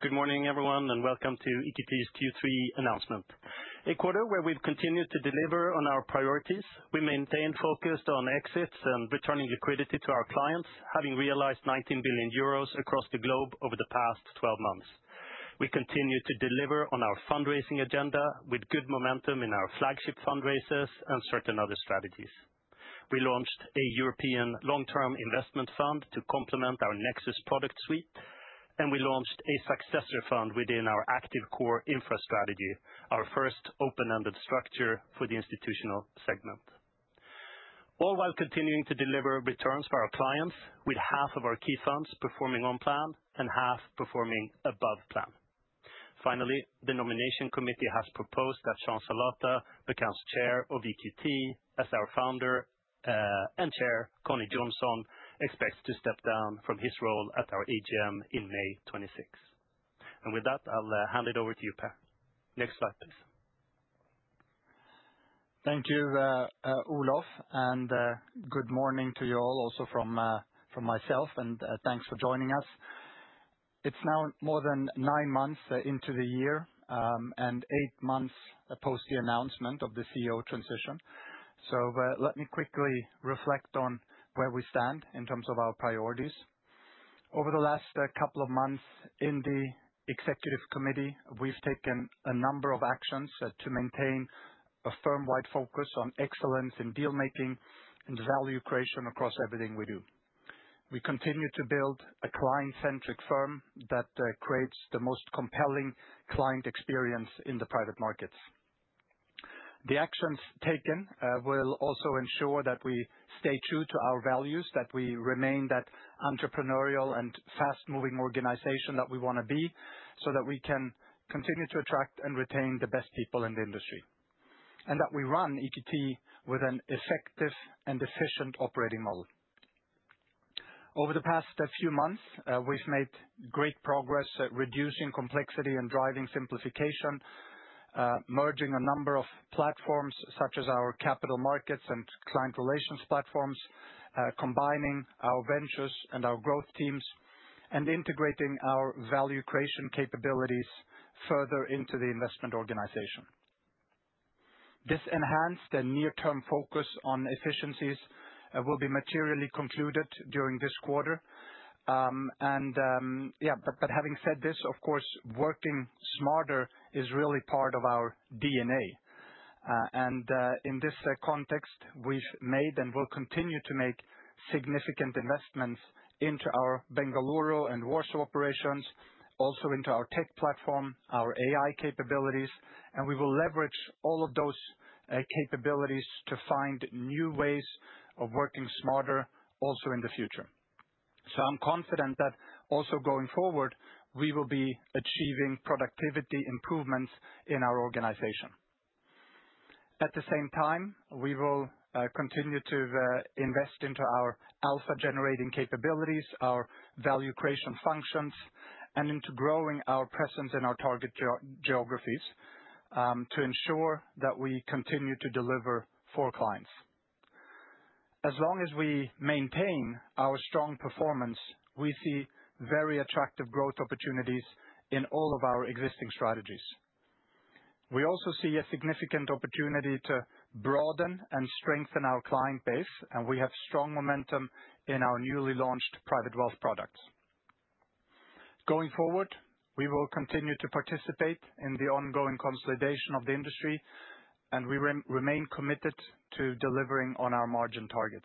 Good morning, everyone, and welcome to EQT's Q3 announcement. A quarter where we've continued to deliver on our priorities. We maintained focus on exits and returning liquidity to our clients, having realized 19 billion euros across the globe over the past 12 months. We continue to deliver on our fundraising agenda with good momentum in our flagship fundraisers and certain other strategies. We launched a European long-term investment fund to complement our Nexus product suite, and we launched a successor fund within our Active Core Infrastructure, our first open-ended structure for the institutional segment. All while continuing to deliver returns for our clients, with half of our key funds performing on plan and half performing above plan. Finally, the nomination committee has proposed that Jean Salata, the Chair of EQT, as our founder and chair, Conni Jonsson, expects to step down from his role at our AGM in May 2026. And with that, I'll hand it over to you, Per. Next slide, please. Thank you, Olof, and good morning to you all, also from myself, and thanks for joining us. It's now more than nine months into the year and eight months post the announcement of the CEO transition. So let me quickly reflect on where we stand in terms of our priorities. Over the last couple of months in the Executive Committee, we've taken a number of actions to maintain a firm-wide focus on excellence in deal-making and value creation across everything we do. We continue to build a client-centric firm that creates the most compelling client experience in the private markets. The actions taken will also ensure that we stay true to our values, that we remain that entrepreneurial and fast-moving organization that we want to be, so that we can continue to attract and retain the best people in the industry, and that we run EQT with an effective and efficient operating model. Over the past few months, we've made great progress at reducing complexity and driving simplification, merging a number of platforms such as our capital markets and client relations platforms, combining our ventures and our growth teams, and integrating our value creation capabilities further into the investment organization. This enhanced and near-term focus on efficiencies will be materially concluded during this quarter, and yeah, but having said this, of course, working smarter is really part of our DNA. And in this context, we've made and will continue to make significant investments into our Bengaluru and Warsaw operations, also into our tech platform, our AI capabilities, and we will leverage all of those capabilities to find new ways of working smarter also in the future. So I'm confident that also going forward, we will be achieving productivity improvements in our organization. At the same time, we will continue to invest into our alpha-generating capabilities, our value creation functions, and into growing our presence in our target geographies to ensure that we continue to deliver for clients. As long as we maintain our strong performance, we see very attractive growth opportunities in all of our existing strategies. We also see a significant opportunity to broaden and strengthen our client base, and we have strong momentum in our newly launched private wealth products. Going forward, we will continue to participate in the ongoing consolidation of the industry, and we remain committed to delivering on our margin targets.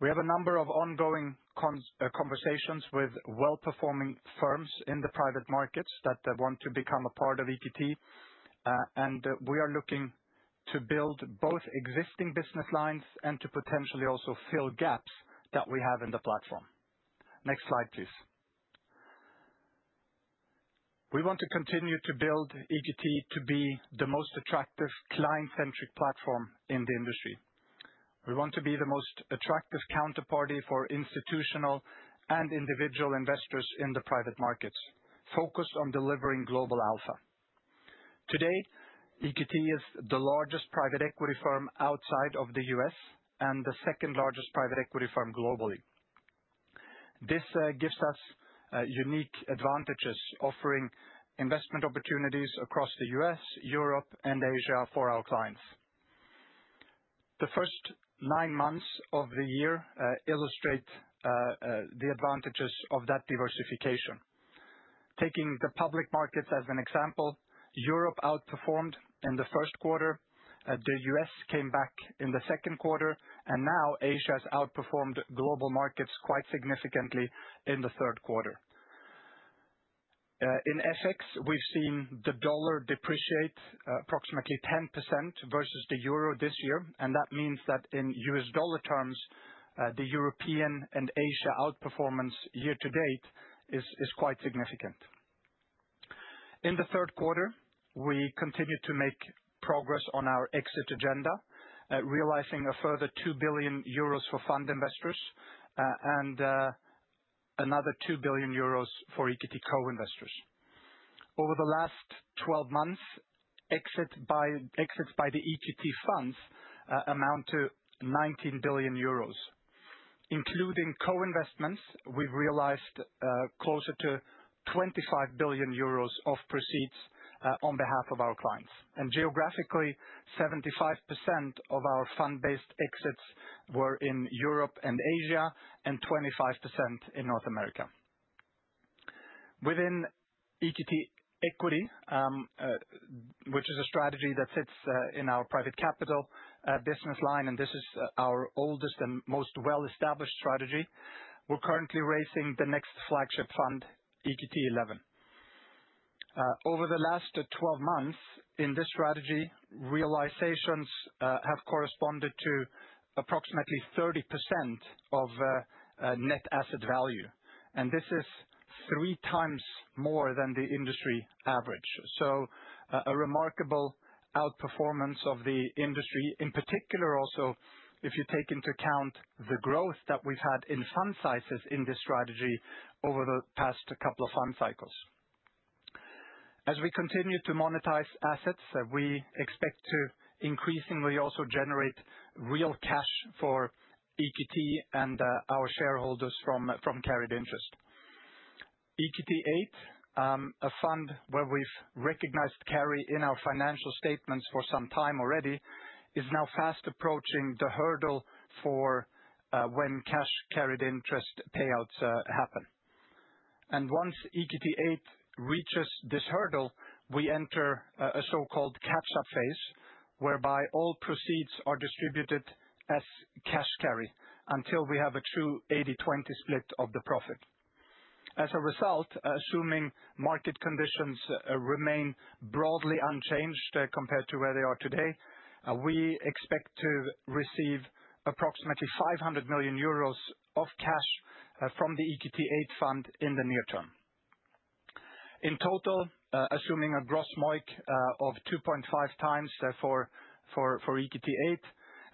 We have a number of ongoing conversations with well-performing firms in the private markets that want to become a part of EQT, and we are looking to build both existing business lines and to potentially also fill gaps that we have in the platform. Next slide, please. We want to continue to build EQT to be the most attractive client-centric platform in the industry. We want to be the most attractive counterparty for institutional and individual investors in the private markets, focused on delivering global alpha. Today, EQT is the largest private equity firm outside of the U.S. and the second largest private equity firm globally. This gives us unique advantages, offering investment opportunities across the U.S., Europe, and Asia for our clients. The first nine months of the year illustrate the advantages of that diversification. Taking the public markets as an example, Europe outperformed in the first quarter, the U.S. came back in the second quarter, and now Asia has outperformed global markets quite significantly in the third quarter. In FX, we've seen the dollar depreciate approximately 10% versus the euro this year, and that means that in U.S. dollar terms, the European and Asia outperformance year to date is quite significant. In the third quarter, we continue to make progress on our exit agenda, realizing a further 2 billion euros for fund investors and another 2 billion euros for EQT co-investors. Over the last 12 months, exits by the EQT funds amount to 19 billion euros. Including co-investments, we've realized closer to 25 billion euros of proceeds on behalf of our clients. And geographically, 75% of our fund-based exits were in Europe and Asia and 25% in North America. Within EQT Equity, which is a strategy that sits in our private capital business line, and this is our oldest and most well-established strategy, we're currently raising the next flagship fund, BPEA XI. Over the last 12 months, in this strategy, realizations have corresponded to approximately 30% of net asset value, and this is three times more than the industry average. So, a remarkable outperformance of the industry, in particular also if you take into account the growth that we've had in fund sizes in this strategy over the past couple of fund cycles. As we continue to monetize assets, we expect to increasingly also generate real cash for EQT and our shareholders from carried interest. EQT VIII, a fund where we've recognized carry in our financial statements for some time already, is now fast approaching the hurdle for when cash carried interest payouts happen. And once EQT VIII reaches this hurdle, we enter a so-called catch-up phase whereby all proceeds are distributed as cash carry until we have a true 80/20 split of the profit. As a result, assuming market conditions remain broadly unchanged compared to where they are today, we expect to receive approximately 500 million euros of cash from the EQT VIII fund in the near term. In total, assuming a gross MOIC of 2.5 times for EQT VIII,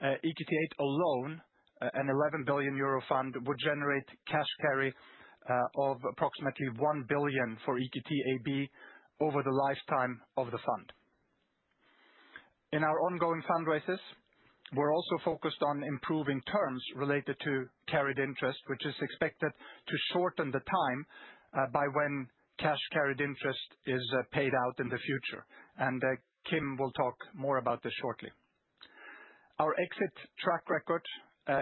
EQT VIII alone, an 11 billion euro fund, would generate cash carry of approximately 1 billion for EQT AB over the lifetime of the fund. In our ongoing fund raises, we're also focused on improving terms related to carried interest, which is expected to shorten the time by when cash carried interest is paid out in the future, and Kim will talk more about this shortly. Our exit track record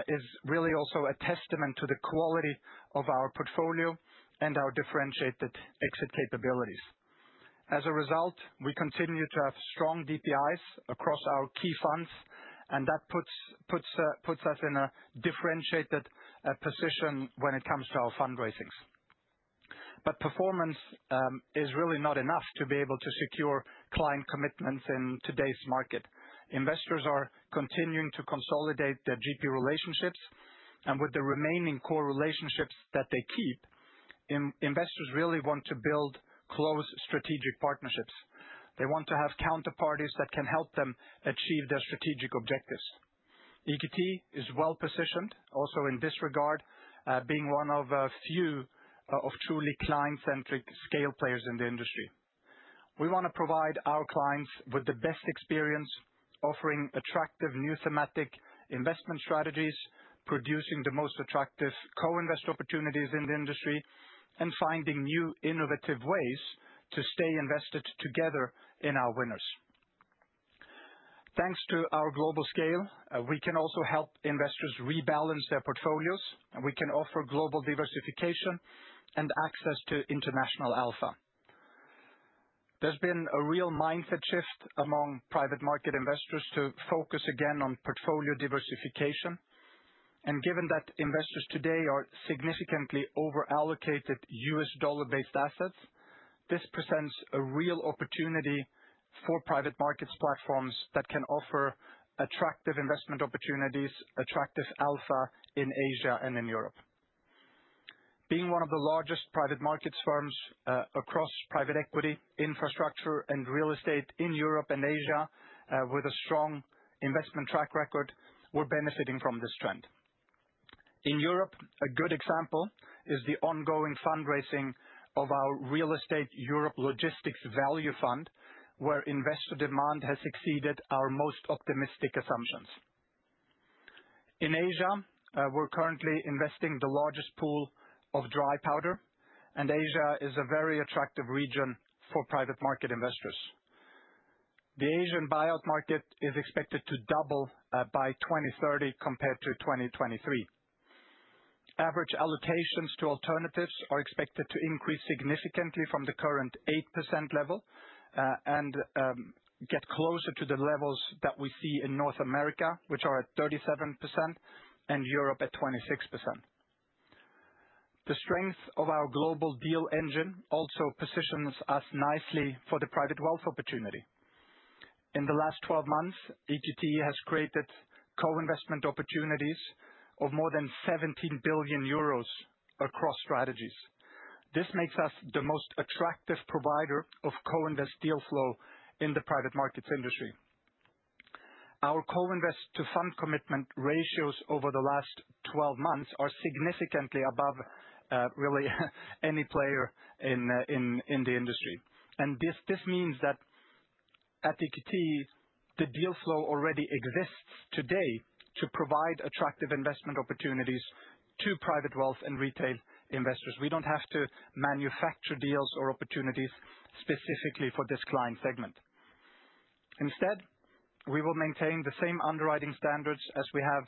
is really also a testament to the quality of our portfolio and our differentiated exit capabilities. As a result, we continue to have strong DPIs across our key funds, and that puts us in a differentiated position when it comes to our fund raisings. Performance is really not enough to be able to secure client commitments in today's market. Investors are continuing to consolidate their GP relationships, and with the remaining core relationships that they keep, investors really want to build close strategic partnerships. They want to have counterparties that can help them achieve their strategic objectives. EQT is well positioned also in this regard, being one of a few truly client-centric scale players in the industry. We want to provide our clients with the best experience, offering attractive new thematic investment strategies, producing the most attractive co-invest opportunities in the industry, and finding new innovative ways to stay invested together in our winners. Thanks to our global scale, we can also help investors rebalance their portfolios, and we can offer global diversification and access to international alpha. There's been a real mindset shift among private market investors to focus again on portfolio diversification, and given that investors today are significantly overallocated U.S. dollar-based assets, this presents a real opportunity for private markets platforms that can offer attractive investment opportunities, attractive alpha in Asia and in Europe. Being one of the largest private markets firms across private equity, infrastructure, and real estate in Europe and Asia with a strong investment track record, we're benefiting from this trend. In Europe, a good example is the ongoing fundraising of our Real Estate Europe Logistics Value Fund, where investor demand has exceeded our most optimistic assumptions. In Asia, we're currently investing the largest pool of dry powder, and Asia is a very attractive region for private market investors. The Asian buyout market is expected to double by 2030 compared to 2023. Average allocations to alternatives are expected to increase significantly from the current 8% level and get closer to the levels that we see in North America, which are at 37%, and Europe at 26%. The strength of our global deal engine also positions us nicely for the private wealth opportunity. In the last 12 months, EQT has created co-investment opportunities of more than 17 billion euros across strategies. This makes us the most attractive provider of co-invest deal flow in the private markets industry. Our co-invest to fund commitment ratios over the last 12 months are significantly above really any player in the industry. And this means that at EQT, the deal flow already exists today to provide attractive investment opportunities to private wealth and retail investors. We don't have to manufacture deals or opportunities specifically for this client segment. Instead, we will maintain the same underwriting standards as we have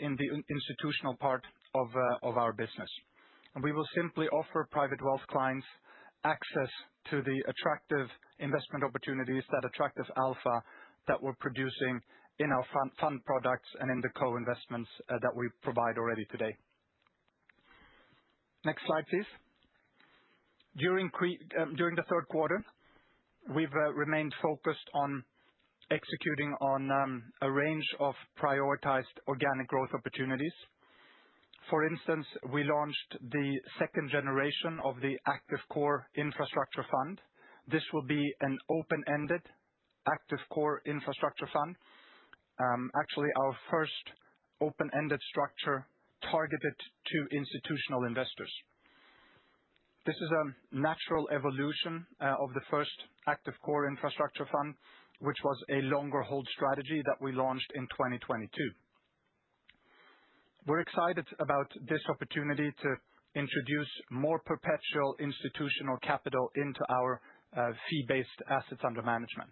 in the institutional part of our business. And we will simply offer private wealth clients access to the attractive investment opportunities, that attractive alpha that we're producing in our fund products and in the co-investments that we provide already today. Next slide, please. During the third quarter, we've remained focused on executing on a range of prioritized organic growth opportunities. For instance, we launched the second generation of the Active Core Infrastructure Fund. This will be an open-ended Active Core Infrastructure Fund, actually our first open-ended structure targeted to institutional investors. This is a natural evolution of the first Active Core Infrastructure Fund, which was a longer hold strategy that we launched in 2022. We're excited about this opportunity to introduce more perpetual institutional capital into our fee-based assets under management.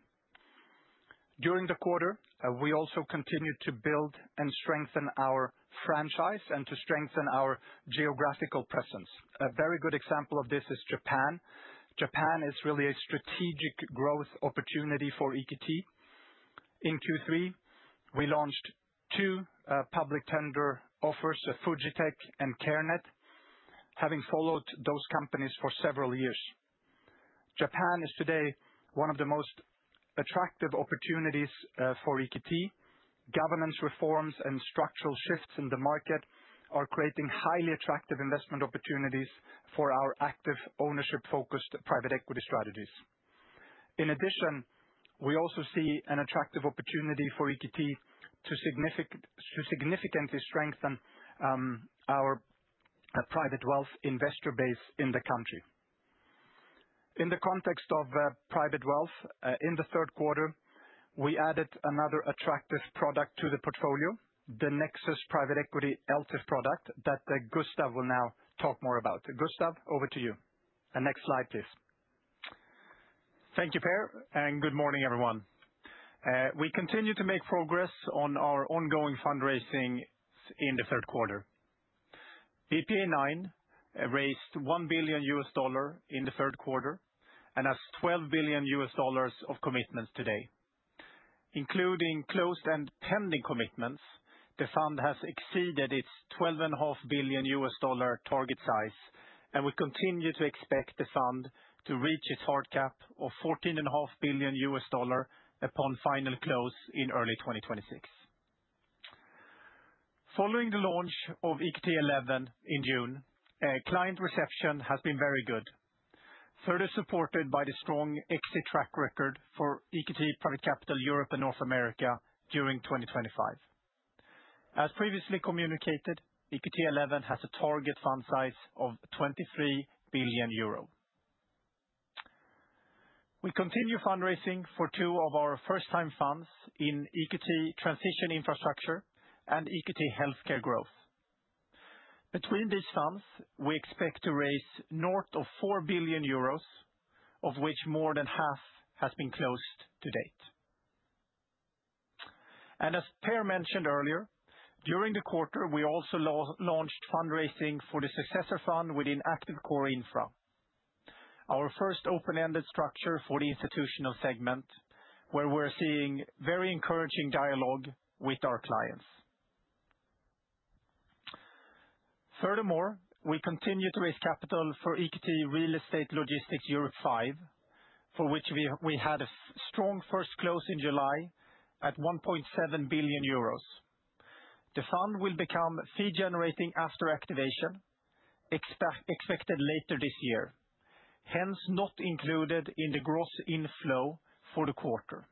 During the quarter, we also continued to build and strengthen our franchise and to strengthen our geographical presence. A very good example of this is Japan. Japan is really a strategic growth opportunity for EQT. In Q3, we launched two public tender offers, Fujitec and Kenedix, having followed those companies for several years. Japan is today one of the most attractive opportunities for EQT. Governance reforms and structural shifts in the market are creating highly attractive investment opportunities for our active ownership-focused private equity strategies. In addition, we also see an attractive opportunity for EQT to significantly strengthen our private wealth investor base in the country. In the context of private wealth, in the third quarter, we added another attractive product to the portfolio, the Nexus Private Equity LTIF product that Gustav will now talk more about. Gustav, over to you. Next slide, please. Thank you, Per, and good morning, everyone. We continue to make progress on our ongoing fundraising in the third quarter. EQT IX raised EUR 1 billion in the third quarter and has EUR 12 billion of commitments today. Including closed and pending commitments, the fund has exceeded its EUR 12.5 billion target size, and we continue to expect the fund to reach its hard cap of EUR 14.5 billion upon final close in early 2026. Following the launch of BPEA XI in June, client reception has been very good, further supported by the strong exit track record for EQT Private Capital Europe and North America during 2025. As previously communicated, BPEA XI has a target fund size of 23 billion euro. We continue fundraising for two of our first-time funds in EQT Transition Infrastructure and EQT Healthcare Growth. Between these funds, we expect to raise north of 4 billion euros, of which more than half has been closed to date. And as Per mentioned earlier, during the quarter, we also launched fundraising for the successor fund within Active Core Infra, our first open-ended structure for the institutional segment, where we're seeing very encouraging dialogue with our clients. Furthermore, we continue to raise capital for EQT Real Estate Logistics Europe V, for which we had a strong first close in July at 1.7 billion euros. The fund will become fee-generating after activation, expected later this year, hence not included in the gross inflow for the quarter.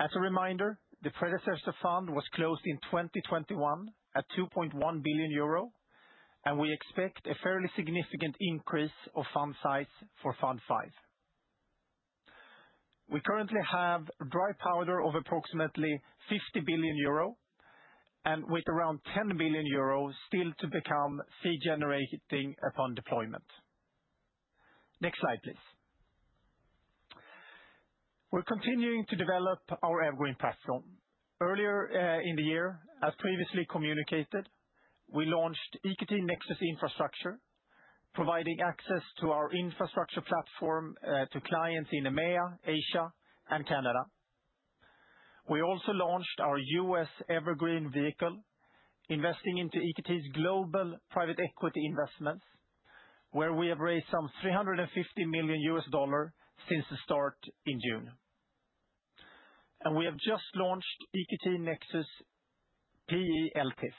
As a reminder, the predecessor fund was closed in 2021 at 2.1 billion euro, and we expect a fairly significant increase of fund size for Fund V. We currently have dry powder of approximately 50 billion euro and with around 10 billion euro still to become fee-generating upon deployment. Next slide, please. We're continuing to develop our evergreen platform. Earlier in the year, as previously communicated, we launched EQT Nexus Infrastructure, providing access to our infrastructure platform to clients in EMEA, Asia, and Canada. We also launched our U.S. Evergreen Vehicle, investing into EQT's global private equity investments, where we have raised some EUR 350 million since the start in June. And we have just launched EQT Nexus PE LTIF.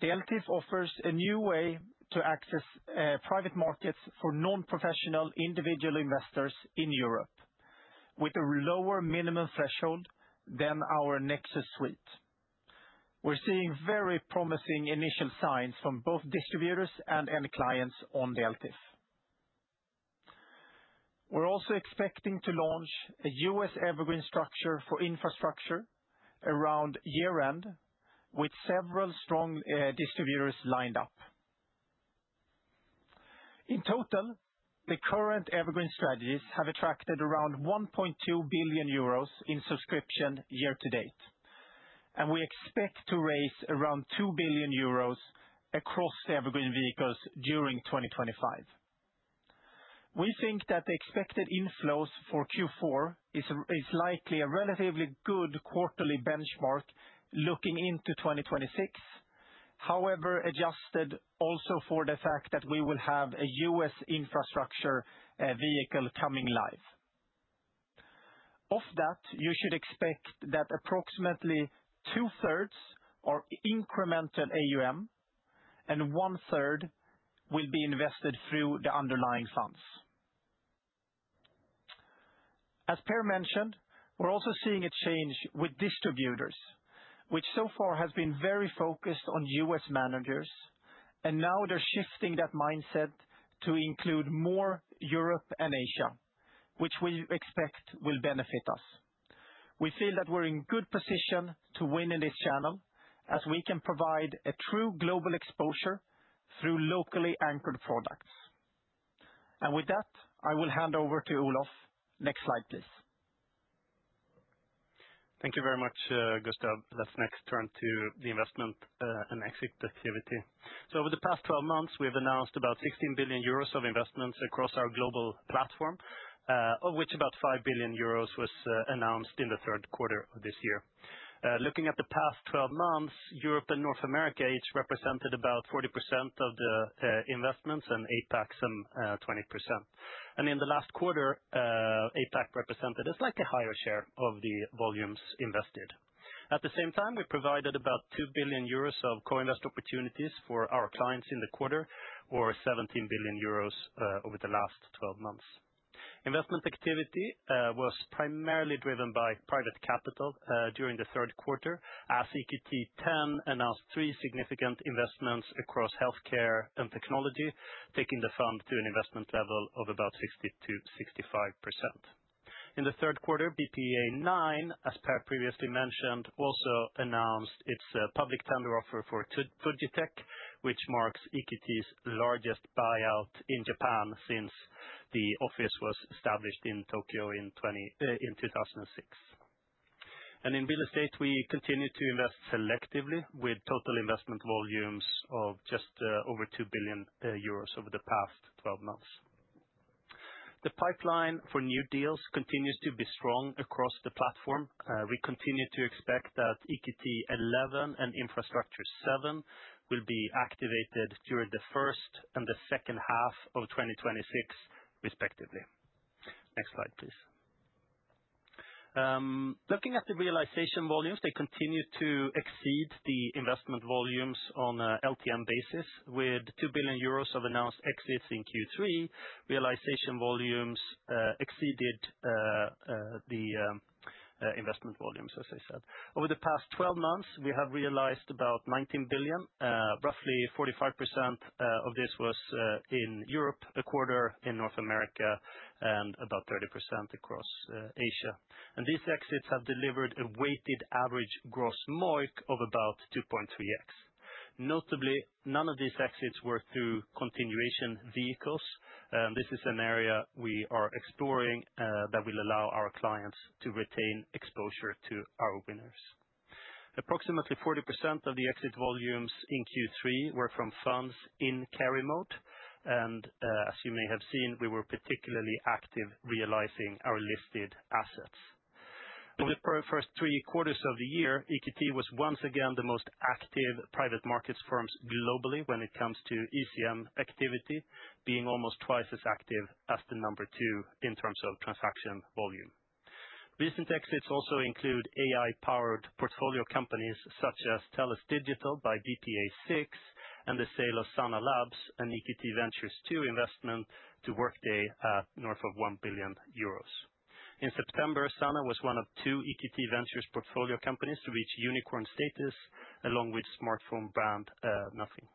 The LTIF offers a new way to access private markets for non-professional individual investors in Europe with a lower minimum threshold than our Nexus suite. We're seeing very promising initial signs from both distributors and end clients on the LTIF. We're also expecting to launch a U.S. Evergreen Structure for Infrastructure around year-end, with several strong distributors lined up. In total, the current Evergreen strategies have attracted around 1.2 billion euros in subscription year-to-date, and we expect to raise around 2 billion euros across the Evergreen Vehicles during 2025. We think that the expected inflows for Q4 is likely a relatively good quarterly benchmark looking into 2026, however adjusted also for the fact that we will have a U.S. Infrastructure Vehicle coming live. Of that, you should expect that approximately two-thirds are incremental AUM, and one-third will be invested through the underlying funds. As Per mentioned, we're also seeing a change with distributors, which so far has been very focused on U.S. managers, and now they're shifting that mindset to include more Europe and Asia, which we expect will benefit us. We feel that we're in good position to win in this channel as we can provide a true global exposure through locally anchored products. And with that, I will hand over to Olof. Next slide, please. Thank you very much, Gustav. Let's next turn to the investment and exit activity. Over the past 12 months, we have announced about 16 billion euros of investments across our global platform, of which about 5 billion euros was announced in the third quarter of this year. Looking at the past 12 months, Europe and North America, each represented about 40% of the investments and APAC some 20%. In the last quarter, APAC represented a slightly higher share of the volumes invested. At the same time, we provided about 2 billion euros of co-invest opportunities for our clients in the quarter, or 17 billion euros over the last 12 months. Investment activity was primarily driven by private capital during the third quarter, as EQT X announced three significant investments across healthcare and technology, taking the fund to an investment level of about 60%-65%. In the third quarter, BPEA IX, as Per previously mentioned, also announced its public tender offer for Fujitec, which marks EQT's largest buyout in Japan since the office was established in Tokyo in 2006. And in real estate, we continue to invest selectively, with total investment volumes of just over 2 billion euros over the past 12 months. The pipeline for new deals continues to be strong across the platform. We continue to expect that BPEA XI and Infrastructure VII will be activated during the first and the second half of 2026, respectively. Next slide, please. Looking at the realization volumes, they continue to exceed the investment volumes on an LTM basis. With 2 billion euros of announced exits in Q3, realization volumes exceeded the investment volumes, as I said. Over the past 12 months, we have realized about 19 billion. Roughly 45% of this was in Europe, a quarter in North America, and about 30% across Asia, and these exits have delivered a weighted average gross MOIC of about 2.3x. Notably, none of these exits were through continuation vehicles. This is an area we are exploring that will allow our clients to retain exposure to our winners. Approximately 40% of the exit volumes in Q3 were from funds in carry mode, and as you may have seen, we were particularly active realizing our listed assets. Over the first three quarters of the year, EQT was once again the most active private markets firm globally when it comes to ECM activity, being almost twice as active as the number two in terms of transaction volume. Recent exits also include AI-powered portfolio companies such as TELUS Digital by BPEA IX and the sale of Sana Labs and EQT Ventures II investment to Workday at north of 1 billion euros. In September, Sana was one of two EQT Ventures portfolio companies to reach unicorn status, along with smartphone brand Nothing.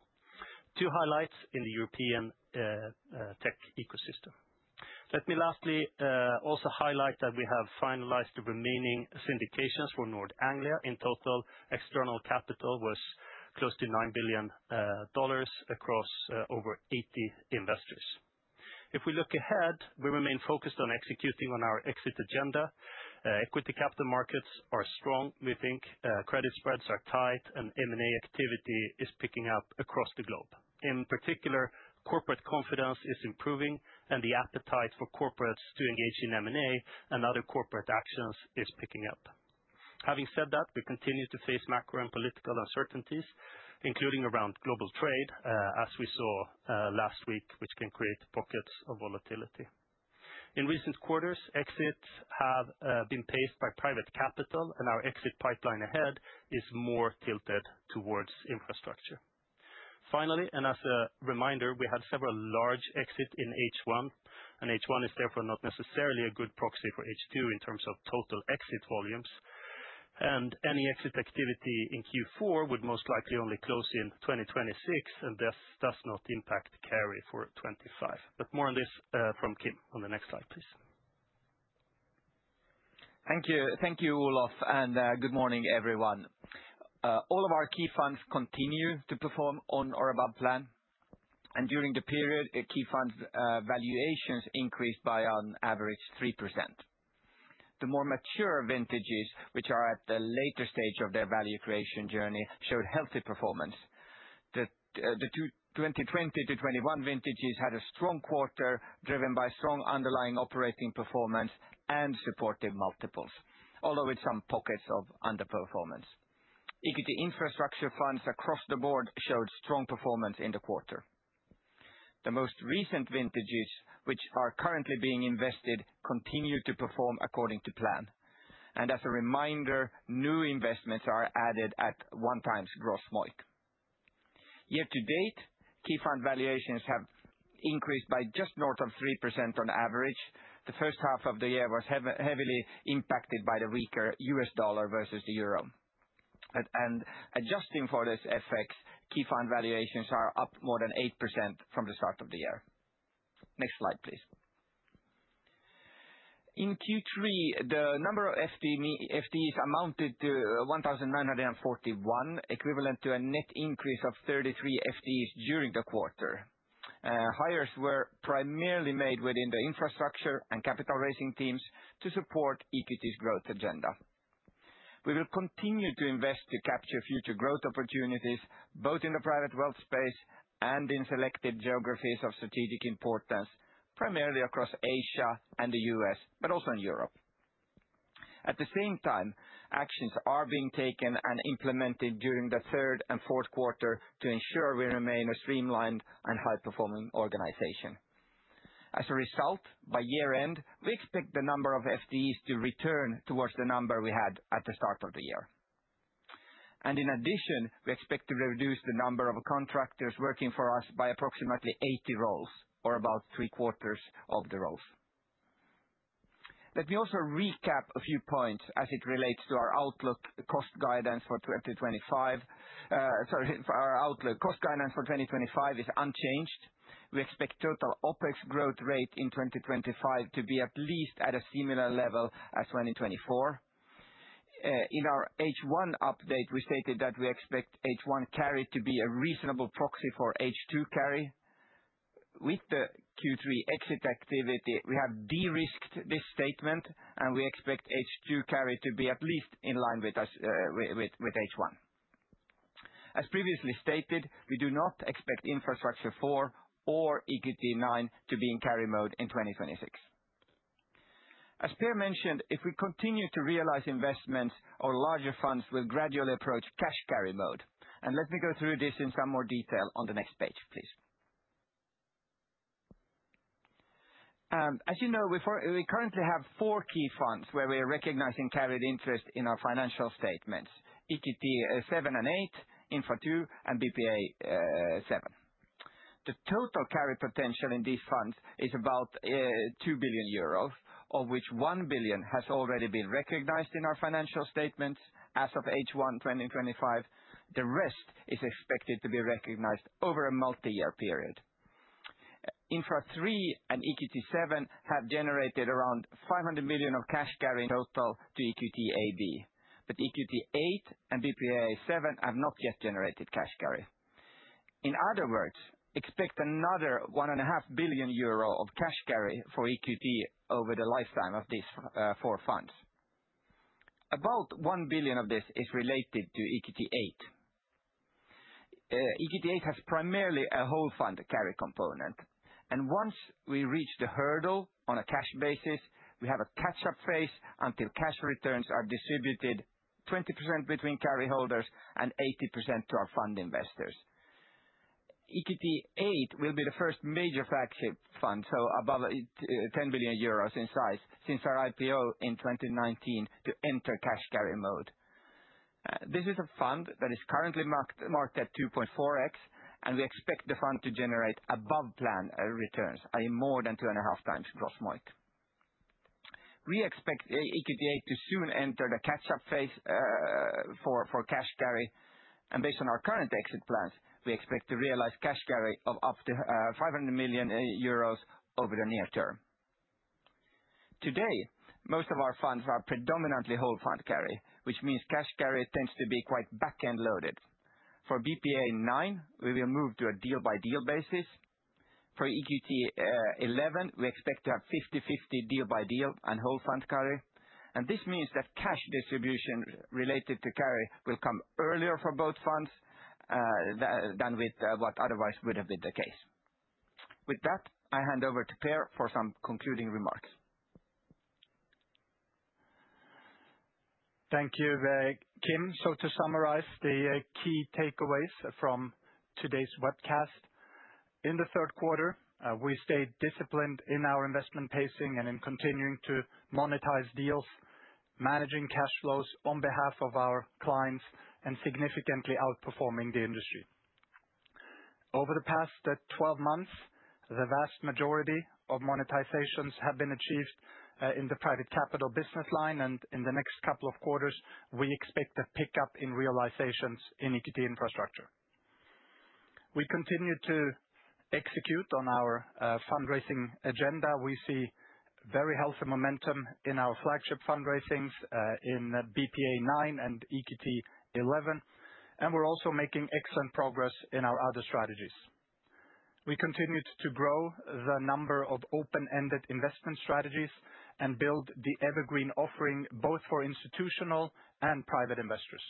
Two highlights in the European tech ecosystem. Let me lastly also highlight that we have finalized the remaining syndications for Nord Anglia. In total, external capital was close to $9 billion across over 80 investors. If we look ahead, we remain focused on executing on our exit agenda. Equity capital markets are strong, we think. Credit spreads are tight, and M&A activity is picking up across the globe. In particular, corporate confidence is improving, and the appetite for corporates to engage in M&A and other corporate actions is picking up. Having said that, we continue to face macro and political uncertainties, including around global trade, as we saw last week, which can create pockets of volatility. In recent quarters, exits have been paced by private capital, and our exit pipeline ahead is more tilted towards infrastructure. Finally, and as a reminder, we had several large exits in H1, and H1 is therefore not necessarily a good proxy for H2 in terms of total exit volumes, and any exit activity in Q4 would most likely only close in 2026, and thus does not impact carry for 2025, but more on this from Kim on the next slide, please. Thank you. Thank you, Olof, and good morning, everyone. All of our key funds continue to perform on or above plan, and during the period, key funds valuations increased by an average 3%. The more mature vintages, which are at the later stage of their value creation journey, showed healthy performance. The 2020 to 2021 vintages had a strong quarter driven by strong underlying operating performance and supportive multiples, although with some pockets of underperformance. EQT Infrastructure funds across the board showed strong performance in the quarter. The most recent vintages, which are currently being invested, continue to perform according to plan, and as a reminder, new investments are added at one-time Gross MOIC. Year to date, key fund valuations have increased by just north of 3% on average. The first half of the year was heavily impacted by the weaker U.S. dollar versus the euro, and adjusting for this effect, key fund valuations are up more than 8% from the start of the year. Next slide, please. In Q3, the number of FTEs amounted to 1,941, equivalent to a net increase of 33 FTEs during the quarter. Hires were primarily made within the infrastructure and capital raising teams to support EQT's growth agenda. We will continue to invest to capture future growth opportunities, both in the private wealth space and in selected geographies of strategic importance, primarily across Asia and the U.S., but also in Europe. At the same time, actions are being taken and implemented during the third and fourth quarter to ensure we remain a streamlined and high-performing organization. As a result, by year-end, we expect the number of FTEs to return towards the number we had at the start of the year, and in addition, we expect to reduce the number of contractors working for us by approximately 80 roles, or about three-quarters of the roles. Let me also recap a few points as it relates to our outlook cost guidance for 2025. Sorry, our outlook cost guidance for 2025 is unchanged. We expect total OPEX growth rate in 2025 to be at least at a similar level as 2024. In our H1 update, we stated that we expect H1 carry to be a reasonable proxy for H2 carry. With the Q3 exit activity, we have de-risked this statement, and we expect H2 carry to be at least in line with H1. As previously stated, we do not expect Infrastructure IV or EQT IX to be in carry mode in 2026. As Per mentioned, if we continue to realize investments, our larger funds will gradually approach cash carry mode, and let me go through this in some more detail on the next page, please. As you know, we currently have four key funds where we are recognizing carried interest in our financial statements: EQT VII and 8, INFRA II, and BPEA VII. The total carry potential in these funds is about 2 billion euros, of which 1 billion has already been recognized in our financial statements as of H1 2025. The rest is expected to be recognized over a multi-year period. INFRA III and EQT VII have generated around 500 million of cash carry total to EQT AB. But EQT VIII and BPEA VII have not yet generated cash carry. In other words, expect another 1.5 billion euro of cash carry for EQT over the lifetime of these four funds. About 1 billion of this is related to EQT VIII. EQT VIII has primarily a whole fund carry component. And once we reach the hurdle on a cash basis, we have a catch-up phase until cash returns are distributed 20% between carry holders and 80% to our fund investors. EQT VIII will be the first major flagship fund, so above 10 billion euros in size, since our IPO in 2019 to enter cash carry mode. This is a fund that is currently marked at 2.4x, and we expect the fund to generate above plan returns, i.e., more than two and a half times gross MOIC. We expect EQT VIII to soon enter the catch-up phase for cash carry. And based on our current exit plans, we expect to realize cash carry of up to 500 million euros over the near term. Today, most of our funds are predominantly whole fund carry, which means cash carry tends to be quite back-end loaded. For BPEA IX, we will move to a deal-by-deal basis. For BPEA XI, we expect to have 50-50 deal-by-deal and whole fund carry. And this means that cash distribution related to carry will come earlier for both funds than with what otherwise would have been the case. With that, I hand over to Per for some concluding remarks. Thank you, Kim. So to summarize the key takeaways from today's webcast, in the third quarter, we stayed disciplined in our investment pacing and in continuing to monetize deals, managing cash flows on behalf of our clients, and significantly outperforming the industry. Over the past 12 months, the vast majority of monetizations have been achieved in the private capital business line, and in the next couple of quarters, we expect a pickup in realizations in EQT Infrastructure. We continue to execute on our fundraising agenda. We see very healthy momentum in our flagship fundraisings in BPEA IX and BPEA XI, and we're also making excellent progress in our other strategies. We continued to grow the number of open-ended investment strategies and build the evergreen offering both for institutional and private investors.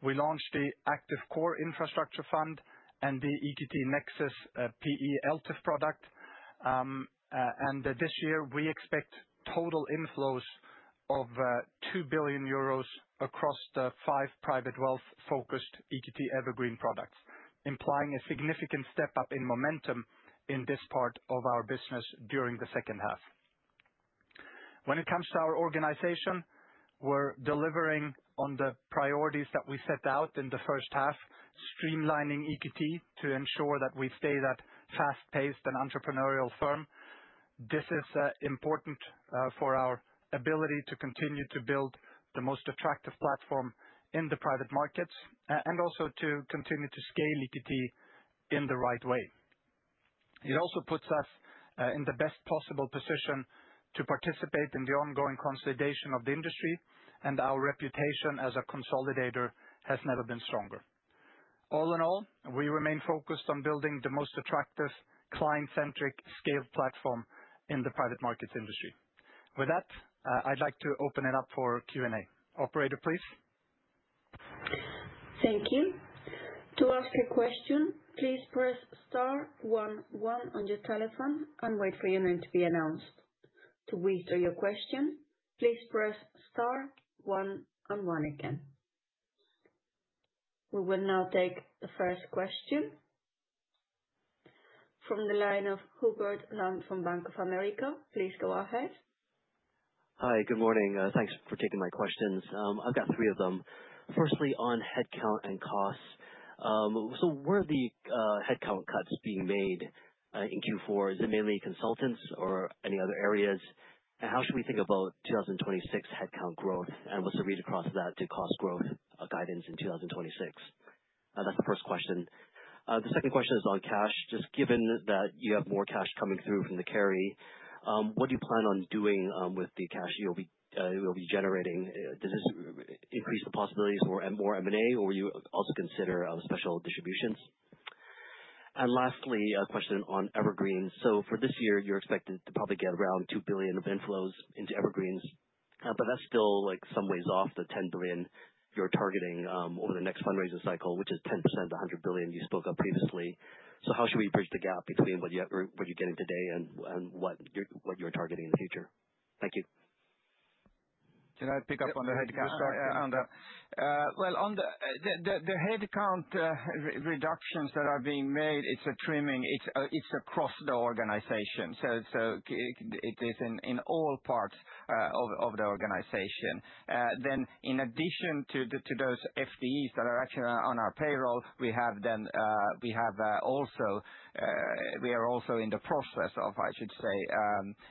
We launched the Active Core Infrastructure Fund and the EQT Nexus PE LTIF product. And this year, we expect total inflows of 2 billion euros across the five private wealth-focused EQT evergreen products, implying a significant step up in momentum in this part of our business during the second half. When it comes to our organization, we're delivering on the priorities that we set out in the first half, streamlining EQT to ensure that we stay that fast-paced and entrepreneurial firm. This is important for our ability to continue to build the most attractive platform in the private markets and also to continue to scale EQT in the right way. It also puts us in the best possible position to participate in the ongoing consolidation of the industry, and our reputation as a consolidator has never been stronger. All in all, we remain focused on building the most attractive, client-centric, scaled platform in the private markets industry. With that, I'd like to open it up for Q&A. Operator, please. Thank you. To ask a question, please press star one one on your telephone and wait for your name to be announced. To withdraw your question, please press star one and one again. We will now take the first question from the line of Hubert Lam from Bank of America. Please go ahead. Hi, good morning. Thanks for taking my questions. I've got three of them. Firstly, on headcount and costs, so where are the headcount cuts being made in Q4? Is it mainly consultants or any other areas? And how should we think about 2026 headcount growth, and what's the read across of that to cost growth guidance in 2026? That's the first question. The second question is on cash. Just given that you have more cash coming through from the carry, what do you plan on doing with the cash you'll be generating? Does this increase the possibilities for more M&A, or will you also consider special distributions? And lastly, a question on evergreens. So for this year, you're expected to probably get around 2 billion of inflows into evergreens, but that's still some ways off the 10 billion you're targeting over the next fundraising cycle, which is 10% of the 100 billion you spoke of previously. So how should we bridge the gap between what you're getting today and what you're targeting in the future? Thank you. Can I pick up on the headcount? Well, the headcount reductions that are being made. It's a trimming. It's across the organization, so it is in all parts of the organization. Then, in addition to those FTEs that are actually on our payroll, we are also in the process of, I should say,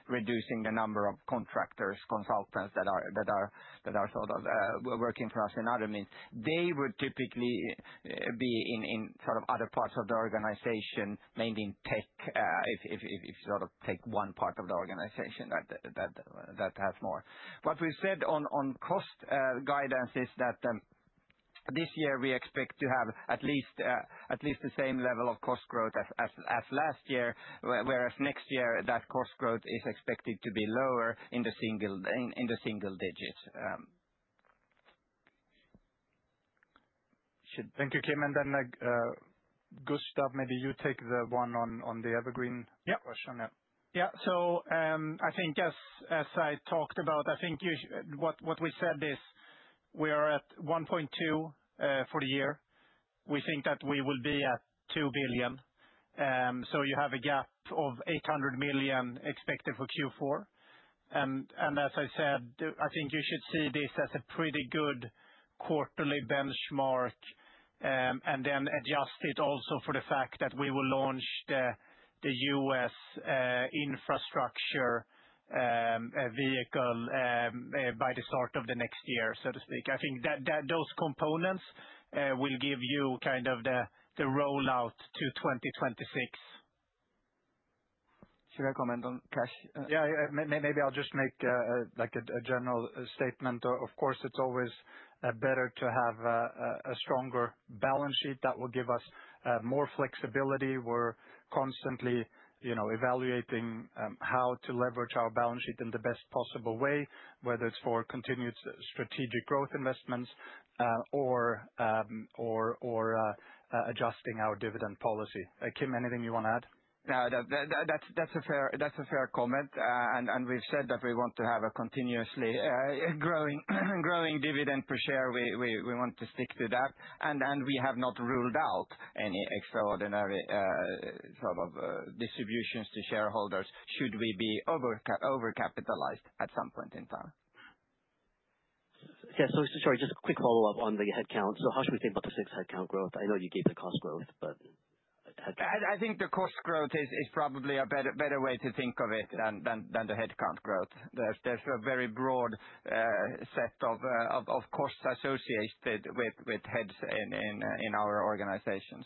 reducing the number of contractors, consultants that are sort of working for us in other means. They would typically be in sort of other parts of the organization, mainly in tech, if you sort of take one part of the organization that has more. What we've said on cost guidance is that this year we expect to have at least the same level of cost growth as last year, whereas next year that cost growth is expected to be lower in the single digits. Thank you, Kim. And then, Gustav, maybe you take the one on the evergreen question. Yeah. Yeah. So I think, yes, as I talked about, I think what we said is we are at 1.2 for the year. We think that we will be at 2 billion. So you have a gap of 800 million expected for Q4. And as I said, I think you should see this as a pretty good quarterly benchmark and then adjust it also for the fact that we will launch the U.S. infrastructure vehicle by the start of the next year, so to speak. I think those components will give you kind of the rollout to 2026. Should I comment on cash? Yeah, maybe I'll just make a general statement. Of course, it's always better to have a stronger balance sheet that will give us more flexibility. We're constantly evaluating how to leverage our balance sheet in the best possible way, whether it's for continued strategic growth investments or adjusting our dividend policy. Kim, anything you want to add? No, that's a fair comment. And we've said that we want to have a continuously growing dividend per share. We want to stick to that. And we have not ruled out any extraordinary sort of distributions to shareholders should we be overcapitalized at some point in time. Yeah, sorry, just a quick follow-up on the headcount. So how should we think about the fixed headcount growth? I know you gave the cost growth, but headcount? I think the cost growth is probably a better way to think of it than the headcount growth. There's a very broad set of costs associated with heads in our organization.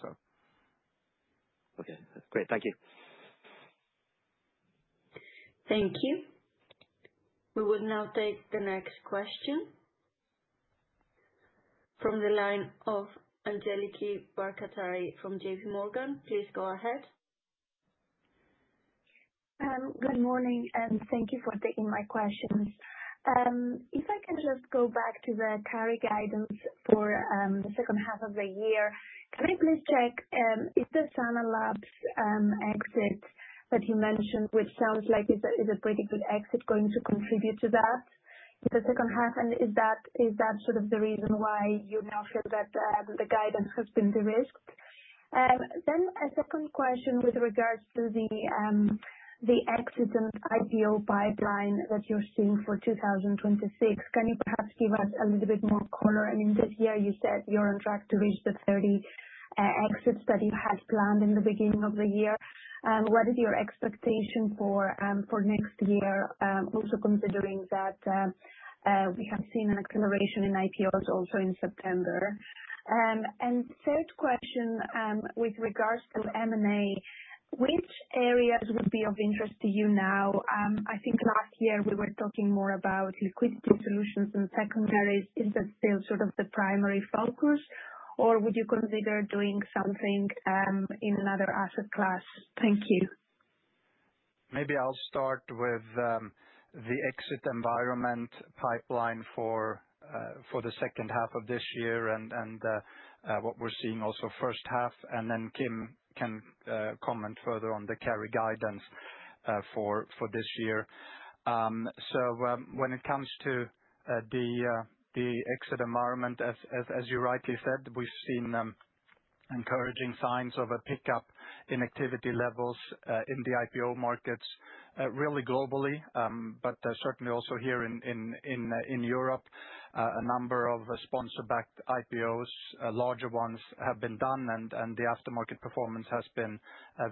Okay, that's great. Thank you. Thank you. We will now take the next question from the line of Angeliki Bairaktari from JPMorgan. Please go ahead. Good morning, and thank you for taking my questions. If I can just go back to the carry guidance for the second half of the year, can I please check if the Sana Labs exit that you mentioned, which sounds like it's a pretty good exit, going to contribute to that in the second half? And is that sort of the reason why you now feel that the guidance has been de-risked? Then a second question with regards to the exit and IPO pipeline that you're seeing for 2026. Can you perhaps give us a little bit more color? I mean, this year you said you're on track to reach the 30 exits that you had planned in the beginning of the year. What is your expectation for next year, also considering that we have seen an acceleration in IPOs also in September? And third question with regards to M&A, which areas would be of interest to you now? I think last year we were talking more about liquidity solutions and secondaries. Is that still sort of the primary focus, or would you consider doing something in another asset class? Thank you. Maybe I'll start with the exit environment pipeline for the second half of this year and what we're seeing also first half, and then Kim can comment further on the carry guidance for this year. So when it comes to the exit environment, as you rightly said, we've seen encouraging signs of a pickup in activity levels in the IPO markets, really globally, but certainly also here in Europe. A number of sponsor-backed IPOs, larger ones, have been done, and the aftermarket performance has been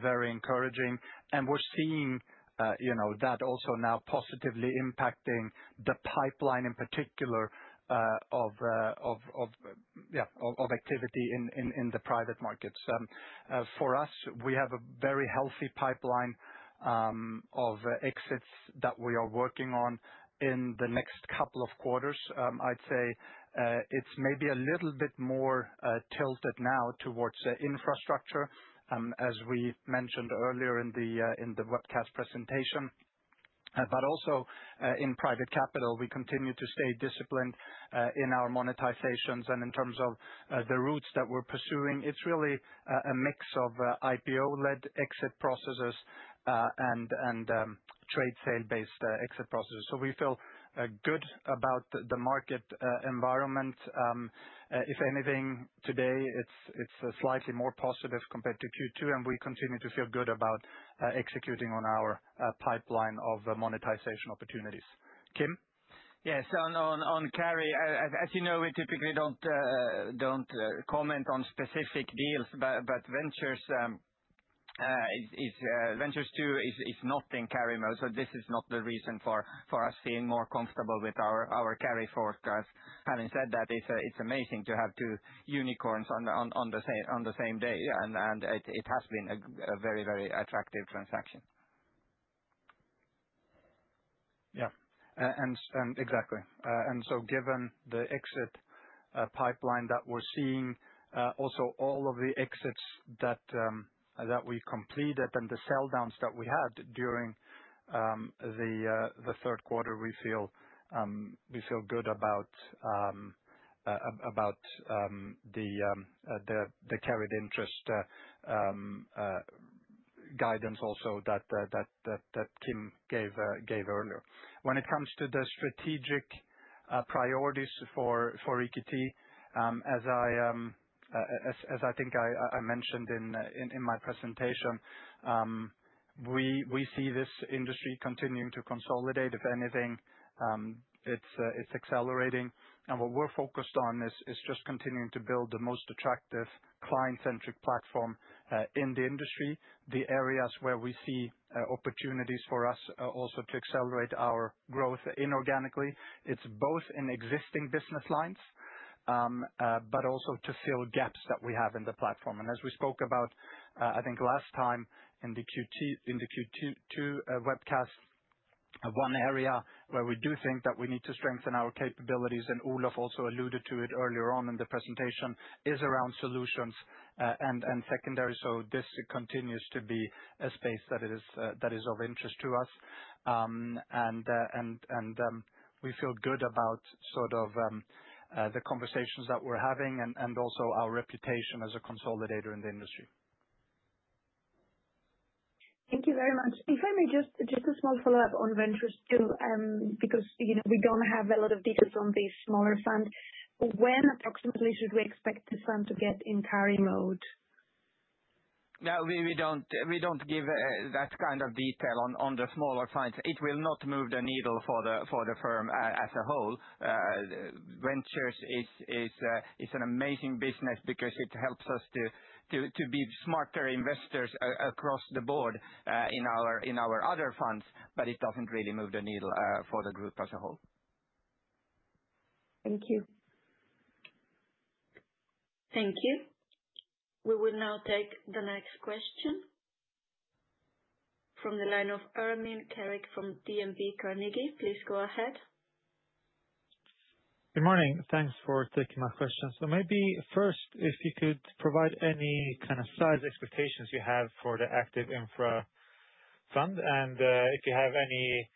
very encouraging. And we're seeing that also now positively impacting the pipeline in particular of activity in the private markets. For us, we have a very healthy pipeline of exits that we are working on in the next couple of quarters. I'd say it's maybe a little bit more tilted now towards infrastructure, as we mentioned earlier in the webcast presentation. But also in private capital, we continue to stay disciplined in our monetizations. And in terms of the routes that we're pursuing, it's really a mix of IPO-led exit processes and trade sale-based exit processes. So we feel good about the market environment. If anything, today, it's slightly more positive compared to Q2, and we continue to feel good about executing on our pipeline of monetization opportunities. Kim? Yes, on carry, as you know, we typically don't comment on specific deals, but Ventures II is not in carry mode. So this is not the reason for us being more comfortable with our carry forecast. Having said that, it's amazing to have two unicorns on the same day, and it has been a very, very attractive transaction. Yeah, exactly. And so given the exit pipeline that we're seeing, also all of the exits that we completed and the sell downs that we had during the third quarter, we feel good about the carried interest guidance also that Kim gave earlier. When it comes to the strategic priorities for EQT, as I think I mentioned in my presentation, we see this industry continuing to consolidate. If anything, it's accelerating, and what we're focused on is just continuing to build the most attractive client-centric platform in the industry, the areas where we see opportunities for us also to accelerate our growth inorganically. It's both in existing business lines, but also to fill gaps that we have in the platform, and as we spoke about, I think last time in the Q2 webcast, one area where we do think that we need to strengthen our capabilities, and Olof also alluded to it earlier on in the presentation, is around solutions and secondary, so this continues to be a space that is of interest to us. And we feel good about sort of the conversations that we're having and also our reputation as a consolidator in the industry. Thank you very much. If I may just a small follow-up on Ventures II, because we don't have a lot of details on these smaller funds. When approximately should we expect the fund to get in carry mode? No, we don't give that kind of detail on the smaller funds. It will not move the needle for the firm as a whole. Ventures is an amazing business because it helps us to be smarter investors across the board in our other funds, but it doesn't really move the needle for the group as a whole. Thank you. Thank you. We will now take the next question from the line of Ermin Keric from DNB Carnegie. Please go ahead. Good morning. Thanks for taking my question. So maybe first, if you could provide any kind of size expectations you have for the active infra fund and if you have any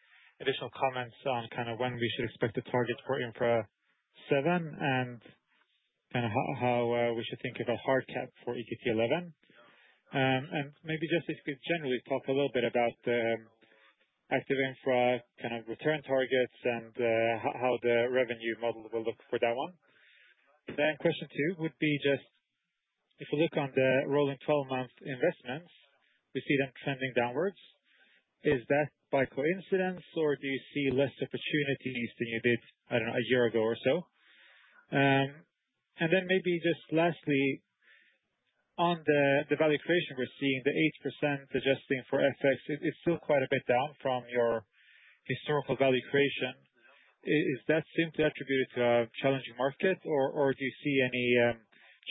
additional comments on kind of when we should expect to target for infra 7 and kind of how we should think about hard cap for BPEA XI. And maybe just if you could generally talk a little bit about the active infra kind of return targets and how the revenue model will look for that one. Then question two would be just if you look on the rolling 12-month investments, we see them trending downwards. Is that by coincidence, or do you see less opportunities than you did, I don't know, a year ago or so? And then maybe just lastly, on the value creation we're seeing, the 8% adjusting for FX, it's still quite a bit down from your historical value creation. Is that simply attributed to a challenging market, or do you see any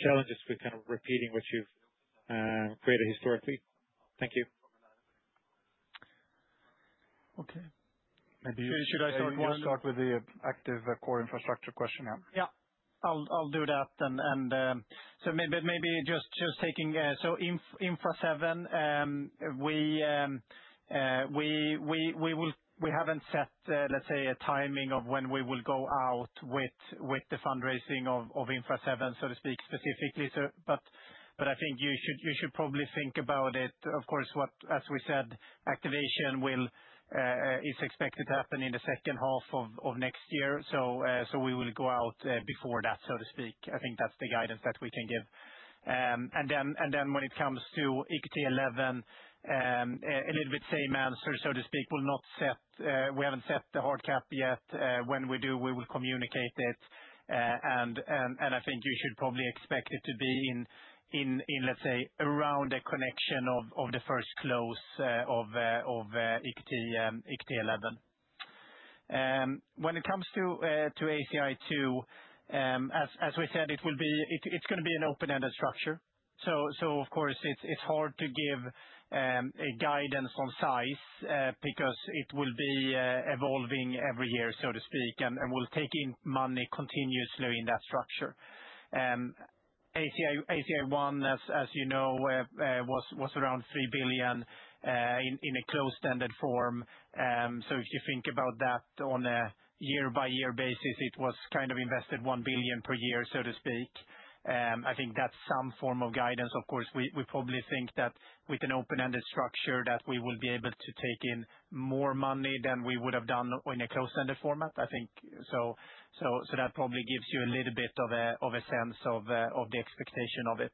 challenges with kind of repeating what you've created historically? Thank you. Okay. Should I start with the active core infrastructure question now? Yeah, I'll do that. And so maybe just taking so Infra 7, we haven't set, let's say, a timing of when we will go out with the fundraising of Infra 7, so to speak, specifically. But I think you should probably think about it. Of course, as we said, activation is expected to happen in the second half of next year. So we will go out before that, so to speak. I think that's the guidance that we can give. And then when it comes to BPEA XI, a little bit same answer, so to speak. We haven't set the hard cap yet. When we do, we will communicate it. I think you should probably expect it to be in, let's say, in conjunction with the first close of BPEA XI. When it comes to ACI 2, as we said, it's going to be an open-ended structure. Of course, it's hard to give a guidance on size because it will be evolving every year, so to speak, and will take in money continuously in that structure. ACI 1, as you know, was around 3 billion in a closed-ended form. If you think about that on a year-by-year basis, it was kind of invested 1 billion per year, so to speak. I think that's some form of guidance. Of course, we probably think that with an open-ended structure that we will be able to take in more money than we would have done in a closed-ended format, I think. So that probably gives you a little bit of a sense of the expectation of it.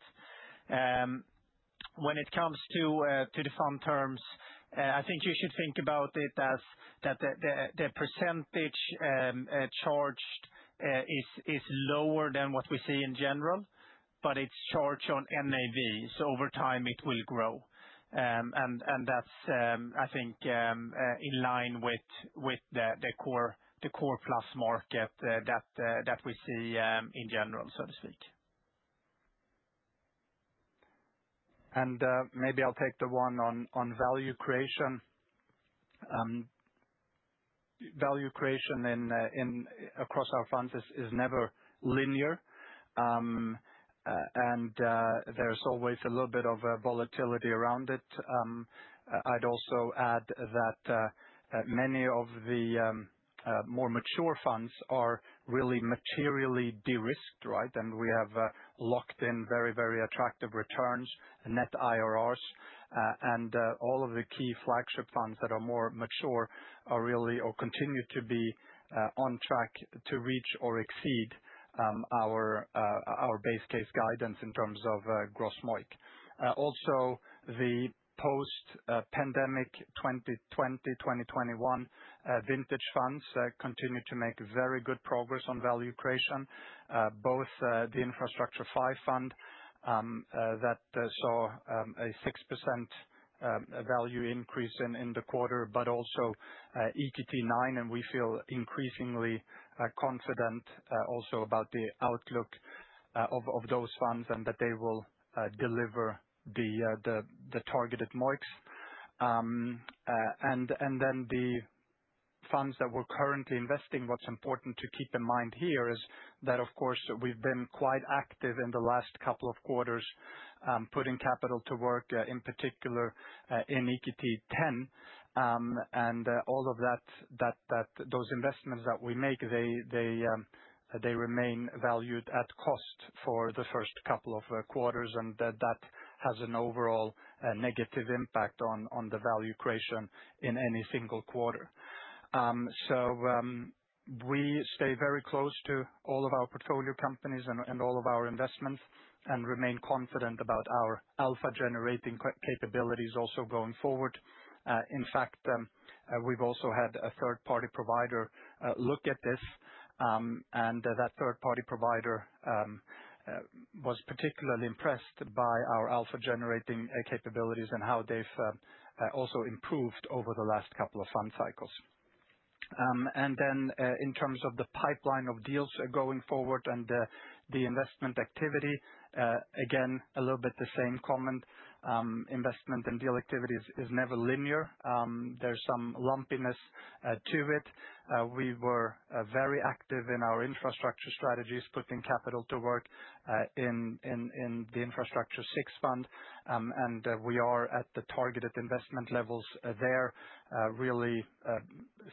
When it comes to the fund terms, I think you should think about it as that the percentage charged is lower than what we see in general, but it's charged on NAV. So over time, it will grow. And that's, I think, in line with the core plus market that we see in general, so to speak. And maybe I'll take the one on value creation. Value creation across our funds is never linear, and there's always a little bit of volatility around it. I'd also add that many of the more mature funds are really materially de-risked, right? And we have locked in very, very attractive returns, net IRRs. And all of the key flagship funds that are more mature continue to be on track to reach or exceed our base case guidance in terms of gross MOIC. Also, the post-pandemic 2020, 2021 vintage funds continue to make very good progress on value creation. Both the Infrastructure 5 fund that saw a 6% value increase in the quarter, but also EQT IX, and we feel increasingly confident also about the outlook of those funds and that they will deliver the targeted MOICs. And then the funds that we're currently investing, what's important to keep in mind here is that, of course, we've been quite active in the last couple of quarters putting capital to work, in particular in EQT X. And all of those investments that we make, they remain valued at cost for the first couple of quarters, and that has an overall negative impact on the value creation in any single quarter. So we stay very close to all of our portfolio companies and all of our investments and remain confident about our alpha-generating capabilities also going forward. In fact, we've also had a third-party provider look at this, and that third-party provider was particularly impressed by our alpha-generating capabilities and how they've also improved over the last couple of fund cycles. And then in terms of the pipeline of deals going forward and the investment activity, again, a little bit the same comment. Investment and deal activity is never linear. There's some lumpiness to it. We were very active in our infrastructure strategies, putting capital to work in the Infrastructure 6 fund, and we are at the targeted investment levels there, really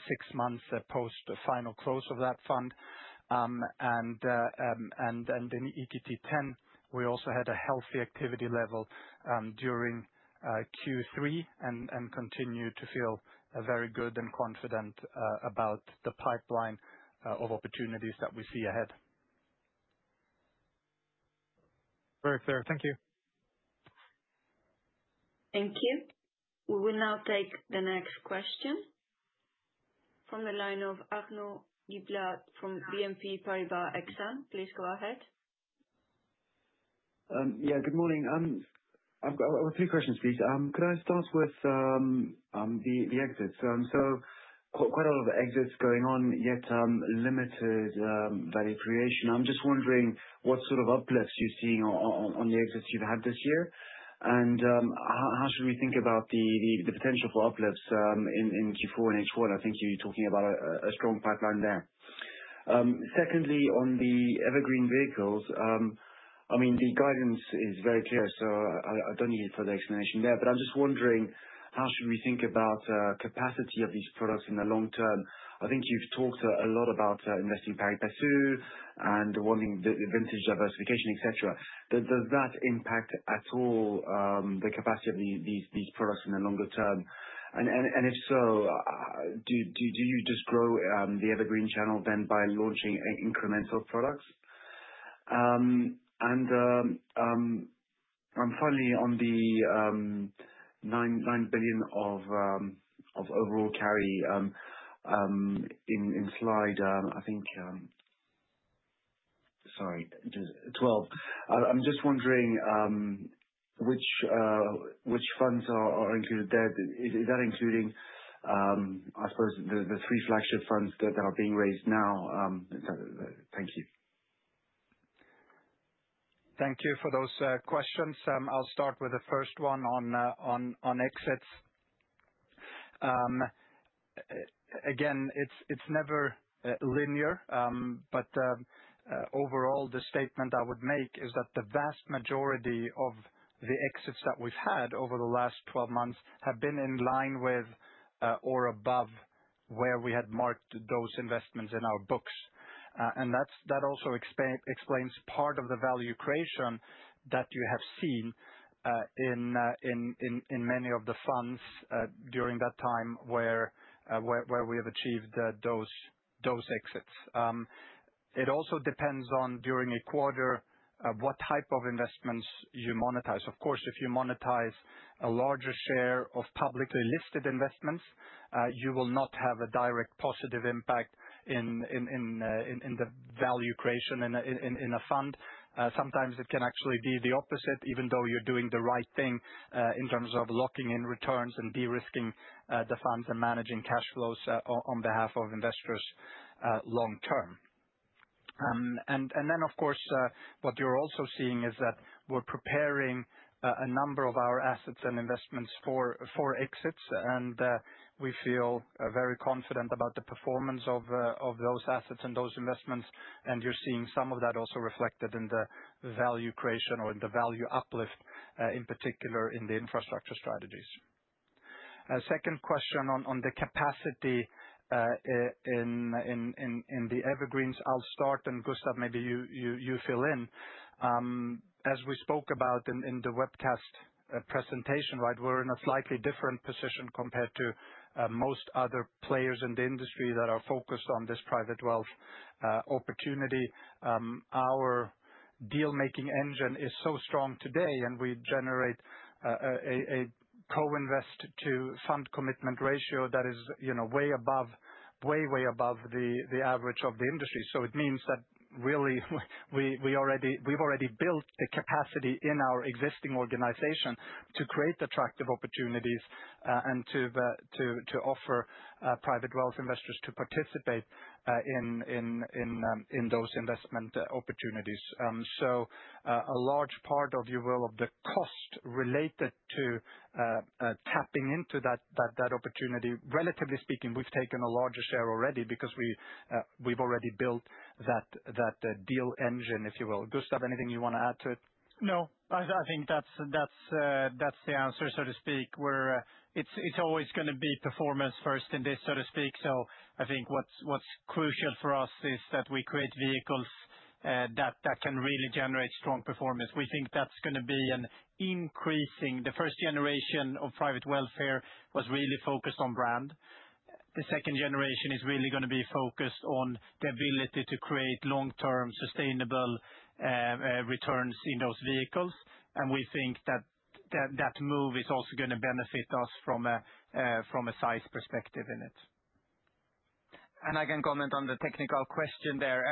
six months post-final close of that fund. And in EQT X, we also had a healthy activity level during Q3 and continue to feel very good and confident about the pipeline of opportunities that we see ahead. Very clear. Thank you. Thank you. We will now take the next question from the line of Arnaud Giblat from BNP Paribas Exane. Please go ahead. Yeah, good morning. I have two questions, please. Could I start with the exits? So quite a lot of exits going on, yet limited value creation. I'm just wondering what sort of uplifts you're seeing on the exits you've had this year, and how should we think about the potential for uplifts in Q4 and H1? I think you're talking about a strong pipeline there. Secondly, on the Evergreen Vehicles, I mean, the guidance is very clear, so I don't need further explanation there. But I'm just wondering, how should we think about capacity of these products in the long term? I think you've talked a lot about investing in Infra 2 and the vintage diversification, etc. Does that impact at all the capacity of these products in the longer term? And if so, do you just grow the evergreen channel then by launching incremental products? And finally, on the 9 billion of overall carry in slide, I think, sorry, 12. I'm just wondering which funds are included there. Is that including, I suppose, the three flagship funds that are being raised now? Thank you. Thank you for those questions. I'll start with the first one on exits. Again, it's never linear, but overall, the statement I would make is that the vast majority of the exits that we've had over the last 12 months have been in line with or above where we had marked those investments in our books. And that also explains part of the value creation that you have seen in many of the funds during that time where we have achieved those exits. It also depends on, during a quarter, what type of investments you monetize. Of course, if you monetize a larger share of publicly listed investments, you will not have a direct positive impact in the value creation in a fund. Sometimes it can actually be the opposite, even though you're doing the right thing in terms of locking in returns and de-risking the funds and managing cash flows on behalf of investors long term. And then, of course, what you're also seeing is that we're preparing a number of our assets and investments for exits, and we feel very confident about the performance of those assets and those investments. And you're seeing some of that also reflected in the value creation or in the value uplift, in particular in the infrastructure strategies. Second question on the capacity in the evergreens, I'll start, and Gustav, maybe you fill in. As we spoke about in the webcast presentation, right, we're in a slightly different position compared to most other players in the industry that are focused on this private wealth opportunity. Our deal-making engine is so strong today, and we generate a co-invest to fund commitment ratio that is way above, way, way above the average of the industry. So it means that really we've already built the capacity in our existing organization to create attractive opportunities and to offer private wealth investors to participate in those investment opportunities. So a large part of the cost related to tapping into that opportunity, relatively speaking, we've taken a larger share already because we've already built that deal engine, if you will. Gustav, anything you want to add to it? No, I think that's the answer, so to speak. It's always going to be performance first in this, so to speak. So I think what's crucial for us is that we create vehicles that can really generate strong performance. We think that's going to be increasingly. The first generation of private wealth was really focused on brand. The second generation is really going to be focused on the ability to create long-term sustainable returns in those vehicles. And we think that that move is also going to benefit us from a size perspective in it. And I can comment on the technical question there.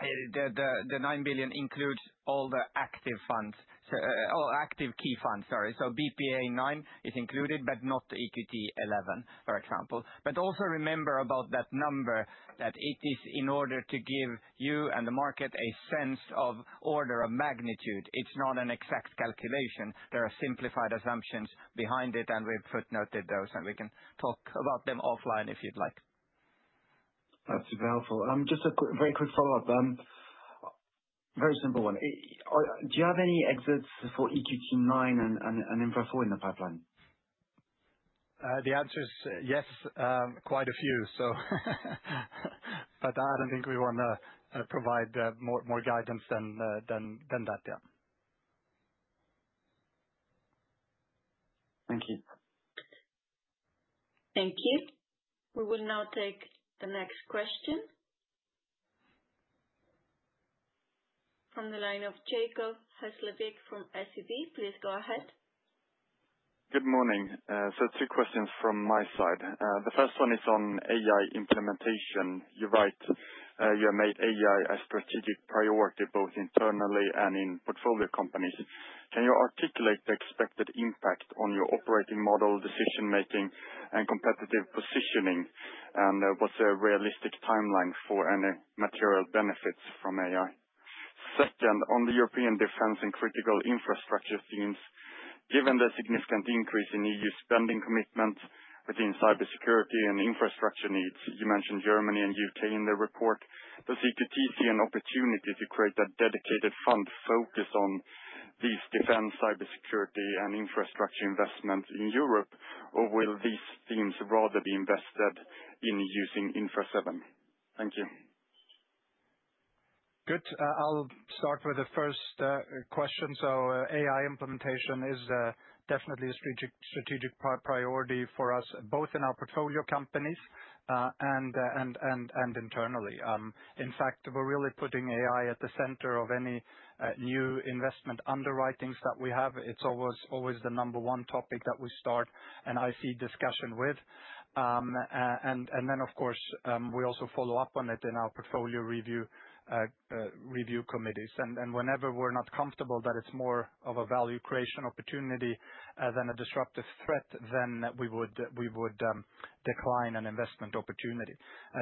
The 9 billion includes all the active funds, or active key funds, sorry. So BPEA IX is included, but not BPEA XI, for example. But also remember about that number, that it is in order to give you and the market a sense of order of magnitude. It's not an exact calculation. There are simplified assumptions behind it, and we've footnoted those, and we can talk about them offline if you'd like. That's super helpful. Just a very quick follow-up, very simple one. Do you have any exits for EQT IX and Infrastructure IV in the pipeline? The answer is yes, quite a few, so. But I don't think we want to provide more guidance than that, yeah. Thank you. Thank you. We will now take the next question from the line of Jacob Hesslevik from SEB. Please go ahead. Good morning. So two questions from my side. The first one is on AI implementation. You write, "You have made AI a strategic priority both internally and in portfolio companies. Can you articulate the expected impact on your operating model, decision-making, and competitive positioning, and what's a realistic timeline for any material benefits from AI?" Second, on the European defense and critical infrastructure themes, given the significant increase in EU spending commitment within cybersecurity and infrastructure needs, you mentioned Germany and UK in the report. Does EQT see an opportunity to create a dedicated fund focused on these defense, cybersecurity, and infrastructure investments in Europe, or will these themes rather be invested in using Infrastructure VII? Thank you. Good. I'll start with the first question. AI implementation is definitely a strategic priority for us, both in our portfolio companies and internally. In fact, we're really putting AI at the center of any new investment underwritings that we have. It's always the number one topic that we start an IC discussion with, and then, of course, we also follow up on it in our portfolio review committees, and whenever we're not comfortable that it's more of a value creation opportunity than a disruptive threat, then we would decline an investment opportunity.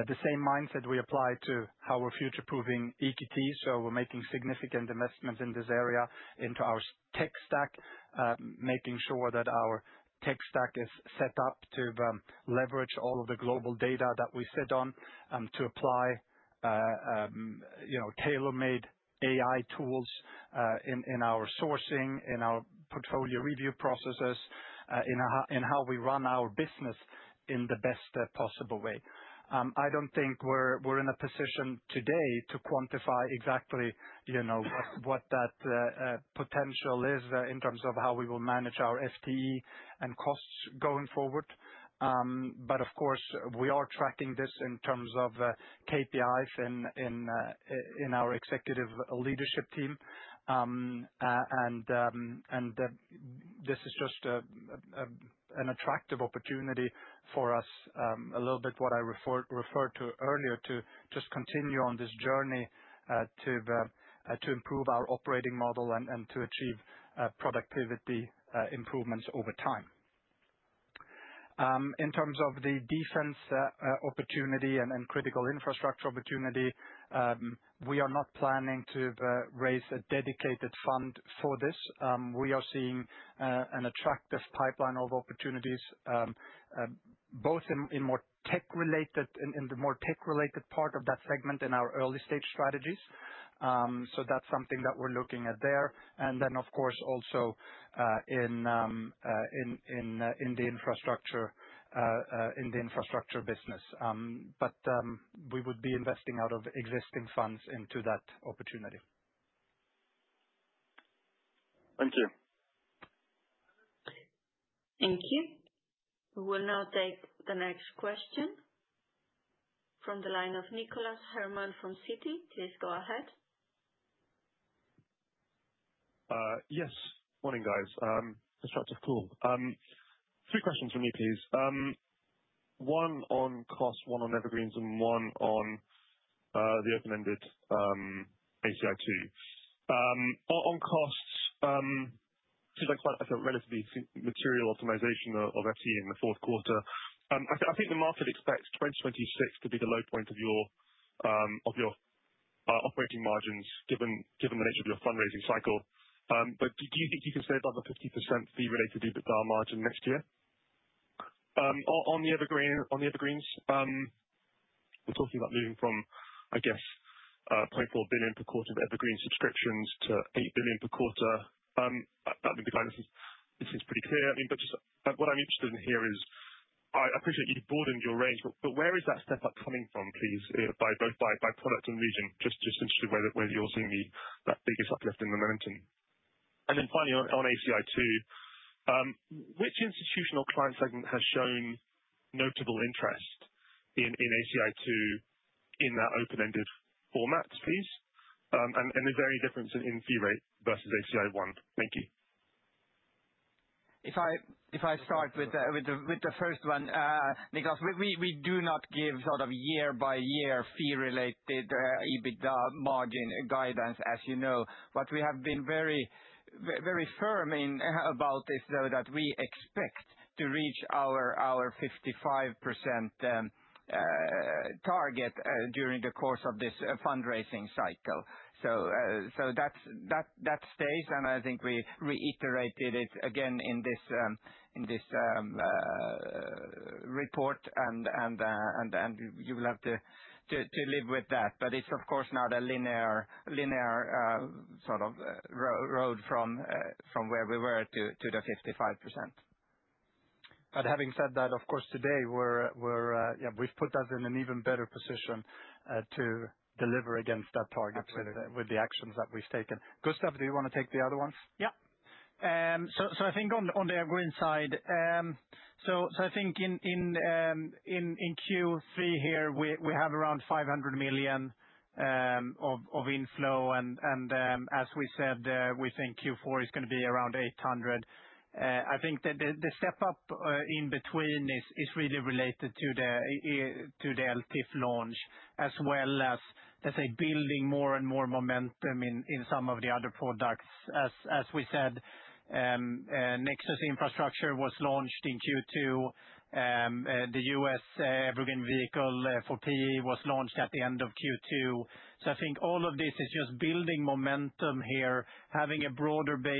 The same mindset we apply to how we're future-proofing EQT. So we're making significant investments in this area into our tech stack, making sure that our tech stack is set up to leverage all of the global data that we sit on to apply tailor-made AI tools in our sourcing, in our portfolio review processes, in how we run our business in the best possible way. I don't think we're in a position today to quantify exactly what that potential is in terms of how we will manage our FTE and costs going forward. But, of course, we are tracking this in terms of KPIs in our executive leadership team. And this is just an attractive opportunity for us, a little bit what I referred to earlier, to just continue on this journey to improve our operating model and to achieve productivity improvements over time. In terms of the defense opportunity and critical infrastructure opportunity, we are not planning to raise a dedicated fund for this. We are seeing an attractive pipeline of opportunities, both in the more tech-related part of that segment in our early-stage strategies. So that's something that we're looking at there. And then, of course, also in the infrastructure business. But we would be investing out of existing funds into that opportunity. Thank you. Thank you. We will now take the next question from the line of Nicholas Herman from Citi. Please go ahead. Yes. Morning, guys. Constructive Pool. Three questions from me, please. One on cost, one on evergreens, and one on the open-ended ACI II. On costs, seems like quite a relatively material optimization of FTE in the fourth quarter. I think the market expects 2026 to be the low point of your operating margins given the nature of your fundraising cycle, but do you think you can save up a 50% fee-related margin next year? On the evergreens, we're talking about moving from, I guess, 0.4 billion per quarter of evergreen subscriptions to 8 billion per quarter. That would be the kind of thing that seems pretty clear, I mean, but just what I'm interested in here is I appreciate you've broadened your range, but where is that step up coming from, please, both by product and region? Just interested in whether you're seeing that biggest uplift in the momentum, and then finally, on ACI II, which institutional client segment has shown notable interest in ACI II in that open-ended format, please, and the very difference in fee rate versus ACI I. Thank you. If I start with the first one, Nicholas, we do not give sort of year-by-year fee-related EBITDA margin guidance, as you know. But we have been very firm about this, though, that we expect to reach our 55% target during the course of this fundraising cycle. So that stays, and I think we reiterated it again in this report, and you will have to live with that. But it's, of course, not a linear sort of road from where we were to the 55%. But having said that, of course, today, we've put us in an even better position to deliver against that target with the actions that we've taken. Gustav, do you want to take the other ones? Yeah. So I think on the evergreen side, so I think in Q3 here, we have around 500 million of inflow. And as we said, we think Q4 is going to be around 800. I think the step up in between is really related to the LTIF launch, as well as, let's say, building more and more momentum in some of the other products. As we said, Nexus Infrastructure was launched in Q2. The U.S. Evergreen Vehicle for PE was launched at the end of Q2. So I think all of this is just building momentum here, having a broader base,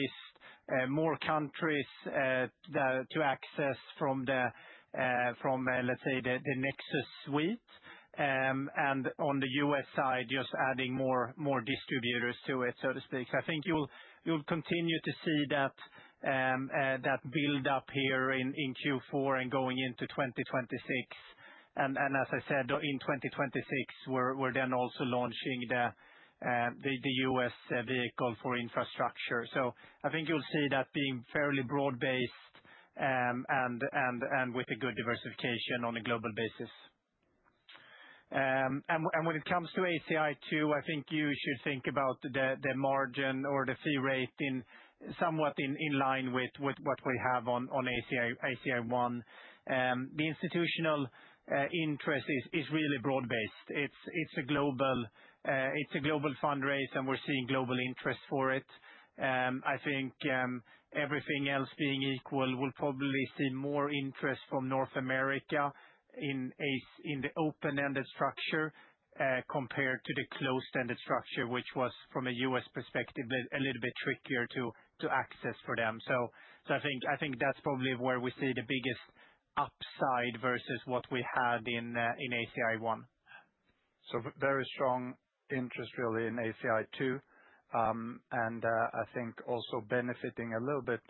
more countries to access from, let's say, the Nexus suite. And on the U.S. side, just adding more distributors to it, so to speak. So I think you'll continue to see that build-up here in Q4 and going into 2026. And as I said, in 2026, we're then also launching the U.S. vehicle for infrastructure. So I think you'll see that being fairly broad-based and with a good diversification on a global basis. And when it comes to ACI II, I think you should think about the margin or the fee rate somewhat in line with what we have on ACI I. The institutional interest is really broad-based. It's a global fundraise, and we're seeing global interest for it. I think everything else being equal, we'll probably see more interest from North America in the open-ended structure compared to the closed-ended structure, which was, from a U.S. perspective, a little bit trickier to access for them. So I think that's probably where we see the biggest upside versus what we had in ACI I. So very strong interest, really, in ACI II. And I think also benefiting a little bit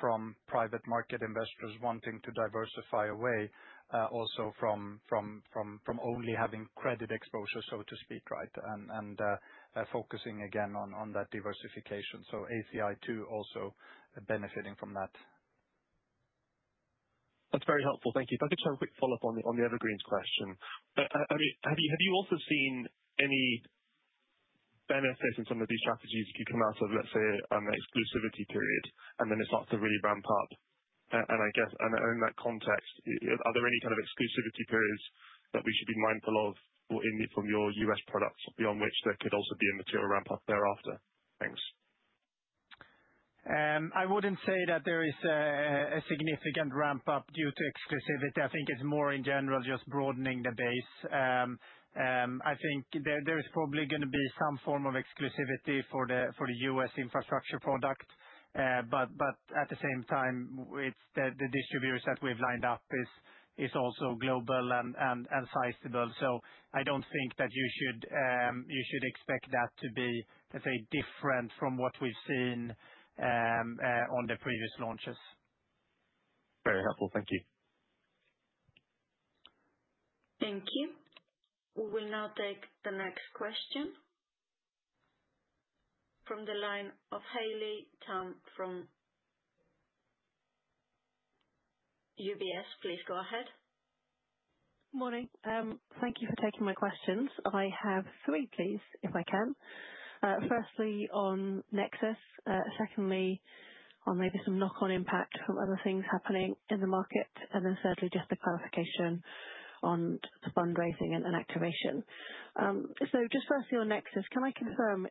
from private market investors wanting to diversify away also from only having credit exposure, so to speak, right, and focusing again on that diversification. So ACI II also benefiting from that. That's very helpful. Thank you. If I could just have a quick follow-up on the evergreens question. Have you also seen any benefits in some of these strategies if you come out of, let's say, an exclusivity period and then it starts to really ramp up? And I guess, in that context, are there any kind of exclusivity periods that we should be mindful of from your U.S. products beyond which there could also be a material ramp-up thereafter? Thanks. I wouldn't say that there is a significant ramp-up due to exclusivity. I think it's more, in general, just broadening the base. I think there is probably going to be some form of exclusivity for the U.S. infrastructure product. But at the same time, the distributors that we've lined up are also global and sizable. So I don't think that you should expect that to be, let's say, different from what we've seen on the previous launches. Very helpful. Thank you. Thank you. We will now take the next question from the line of Haley Tam from UBS, please go ahead. Morning. Thank you for taking my questions. I have three, please, if I can. Firstly, on Nexus. Secondly, on maybe some knock-on impact from other things happening in the market. And then thirdly, just the clarification on the fundraising and activation. So, just firstly, on Nexus, can I confirm,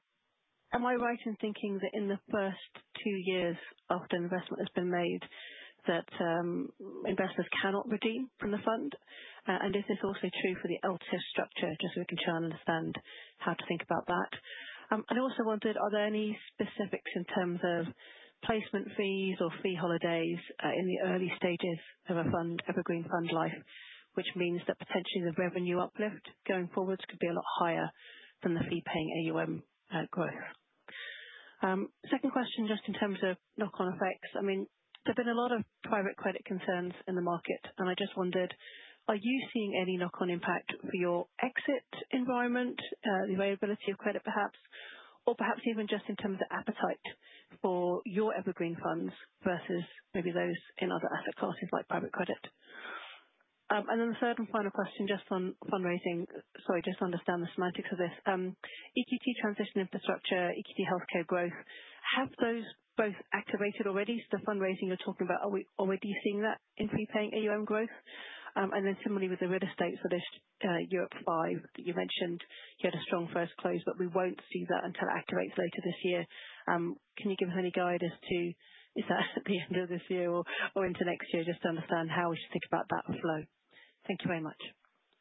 am I right in thinking that in the first two years after investment has been made that investors cannot redeem from the fund? And is this also true for the LTIF structure? Just so we can try and understand how to think about that. And I also wondered, are there any specifics in terms of placement fees or fee holidays in the early stages of an evergreen fund life, which means that potentially the revenue uplift going forwards could be a lot higher than the fee-paying AUM growth? Second question, just in terms of knock-on effects. I mean, there have been a lot of private credit concerns in the market. I just wondered, are you seeing any knock-on impact for your exit environment, the availability of credit, perhaps, or perhaps even just in terms of appetite for your evergreen funds versus maybe those in other asset classes like private credit? And then the third and final question, just on fundraising. Sorry, just to understand the semantics of this. EQT Transition Infrastructure, EQT Healthcare Growth, have those both activated already? So the fundraising you're talking about, are we already seeing that in fee-paying AUM growth? And then similarly with the real estate for this Europe V that you mentioned, you had a strong first close, but we won't see that until it activates later this year. Can you give us any guidance to, is that at the end of this year or into next year? Just to understand how we should think about that flow. Thank you very much.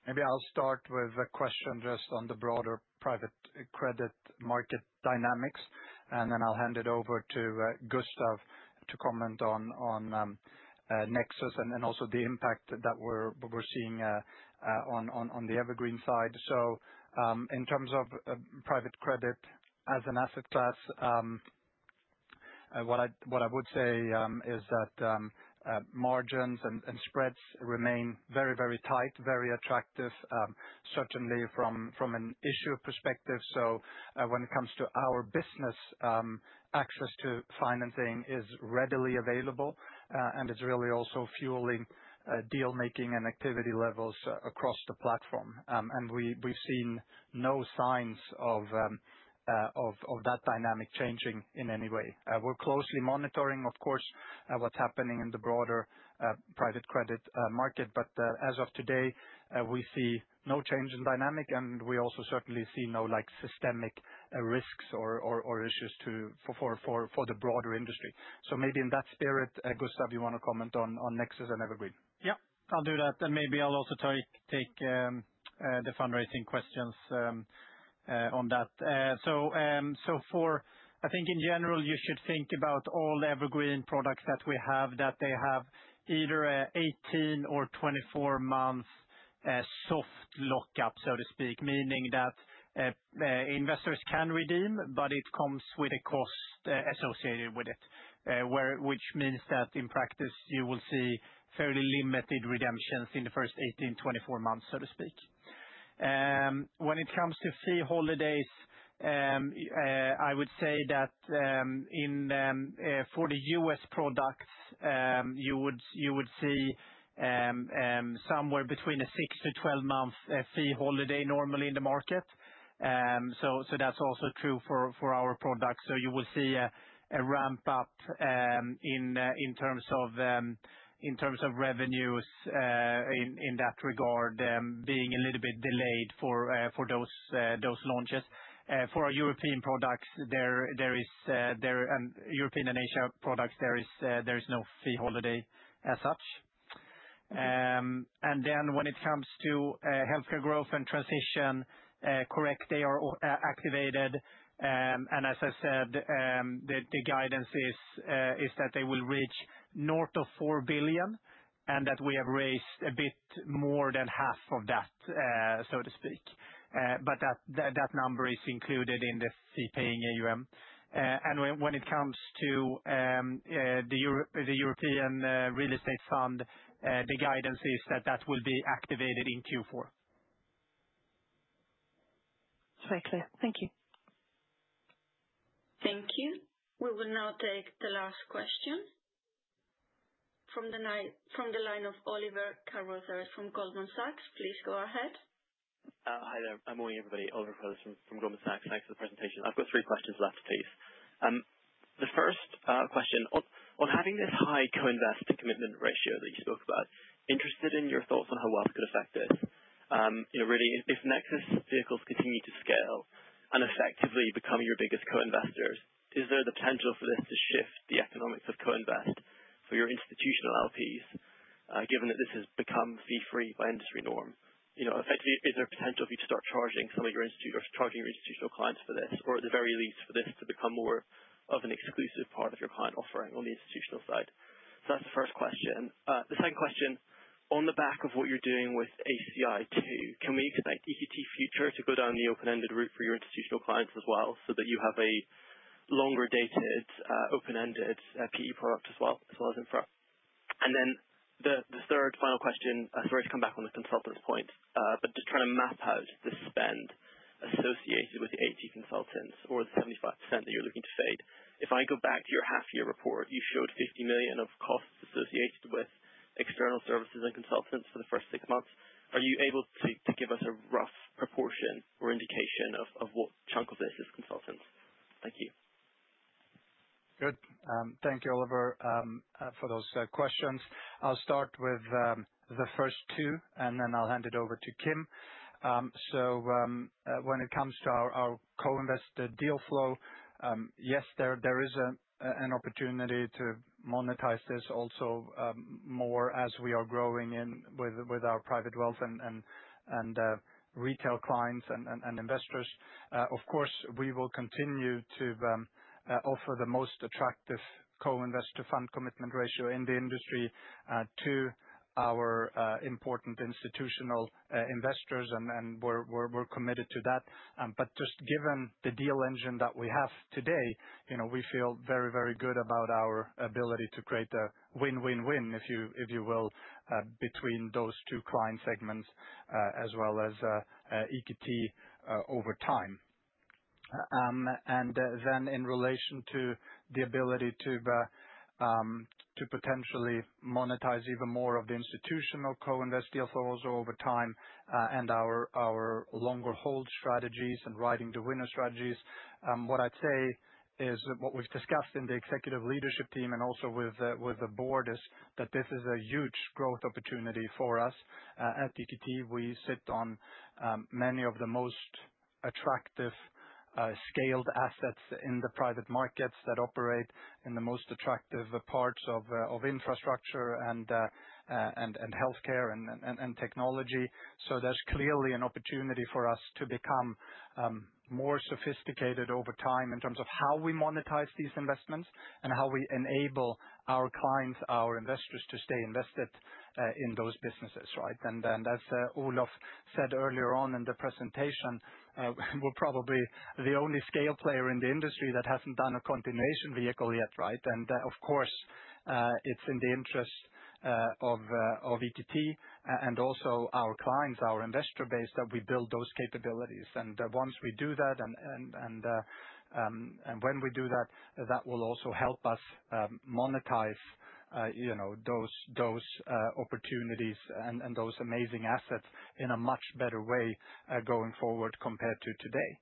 Maybe I'll start with a question just on the broader private credit market dynamics. And then I'll hand it over to Gustav to comment on Nexus and also the impact that we're seeing on the evergreen side. So in terms of private credit as an asset class, what I would say is that margins and spreads remain very, very tight, very attractive, certainly from an issuer perspective. So when it comes to our business, access to financing is readily available, and it's really also fueling deal-making and activity levels across the platform. And we've seen no signs of that dynamic changing in any way. We're closely monitoring, of course, what's happening in the broader private credit market. But as of today, we see no change in dynamic, and we also certainly see no systemic risks or issues for the broader industry. So maybe in that spirit, Gustav, you want to comment on Nexus and Evergreen? Yeah, I'll do that. And maybe I'll also take the fundraising questions on that. So for, I think in general, you should think about all the evergreen products that we have that they have either 18 or 24 months soft lock-up, so to speak, meaning that investors can redeem, but it comes with a cost associated with it, which means that in practice, you will see fairly limited redemptions in the first 18-24 months, so to speak. When it comes to fee holidays, I would say that for the U.S. products, you would see somewhere between a six- to 12-month fee holiday normally in the market. So that's also true for our products. So you will see a ramp-up in terms of revenues in that regard being a little bit delayed for those launches. For our European products, there is, and European and Asia products, there is no fee holiday as such. And then when it comes to healthcare growth and transition, correct, they are activated. And as I said, the guidance is that they will reach north of 4 billion and that we have raised a bit more than half of that, so to speak. But that number is included in the fee-paying AUM. And when it comes to the European real estate fund, the guidance is that that will be activated in Q4. Great. Thank you. Thank you. We will now take the last question from the line of Oliver Carruthers from Goldman Sachs. Please go ahead. Hi there. Good morning, everybody. Oliver Carruthers from Goldman Sachs. Thanks for the presentation. I've got three questions left, please. The first question, on having this high co-invest commitment ratio that you spoke about, interested in your thoughts on how wealth could affect this. Really, if Nexus vehicles continue to scale and effectively become your biggest co-investors, is there the potential for this to shift the economics of co-invest for your institutional LPs, given that this has become fee-free by industry norm? Effectively, is there a potential for you to start charging some of your institutional clients for this, or at the very least for this to become more of an exclusive part of your client offering on the institutional side? So that's the first question. The second question, on the back of what you're doing with ACI II, can we expect EQT Future to go down the open-ended route for your institutional clients as well so that you have a longer-dated open-ended PE product as well as infra? And then the third final question, sorry to come back on the consultants' points, but to try and map out the spend associated with the 80 consultants or the 75% that you're looking to fade. If I go back to your half-year report, you showed 50 million of costs associated with external services and consultants for the first six months. Are you able to give us a rough proportion or indication of what chunk of this is consultants? Thank you. Good. Thank you, Oliver, for those questions. I'll start with the first two, and then I'll hand it over to Kim. So when it comes to our co-invest deal flow, yes, there is an opportunity to monetize this also more as we are growing with our private wealth and retail clients and investors. Of course, we will continue to offer the most attractive co-investor fund commitment ratio in the industry to our important institutional investors, and we're committed to that. But just given the deal engine that we have today, we feel very, very good about our ability to create a win-win-win, if you will, between those two client segments as well as EQT over time. And then in relation to the ability to potentially monetize even more of the institutional co-invest deal flows over time and our longer hold strategies and riding-to-winner strategies, what I'd say is what we've discussed in the executive leadership team and also with the board is that this is a huge growth opportunity for us. At EQT, we sit on many of the most attractive scaled assets in the private markets that operate in the most attractive parts of infrastructure and healthcare and technology. So there's clearly an opportunity for us to become more sophisticated over time in terms of how we monetize these investments and how we enable our clients, our investors to stay invested in those businesses, right? And as Olof said earlier on in the presentation, we're probably the only scale player in the industry that hasn't done a continuation vehicle yet, right? And of course, it's in the interest of EQT and also our clients, our investor base that we build those capabilities. And once we do that, and when we do that, that will also help us monetize those opportunities and those amazing assets in a much better way going forward compared to today.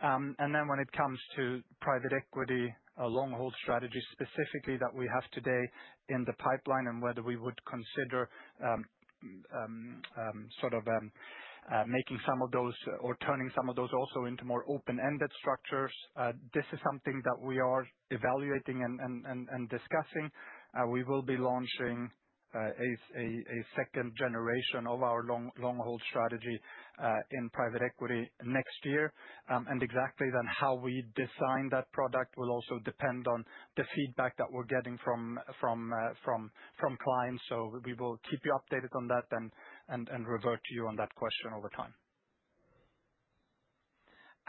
And then when it comes to private equity, a long-hold strategy specifically that we have today in the pipeline and whether we would consider sort of making some of those or turning some of those also into more open-ended structures, this is something that we are evaluating and discussing. We will be launching a second generation of our long-hold strategy in private equity next year. And exactly then how we design that product will also depend on the feedback that we're getting from clients. So we will keep you updated on that and revert to you on that question over time.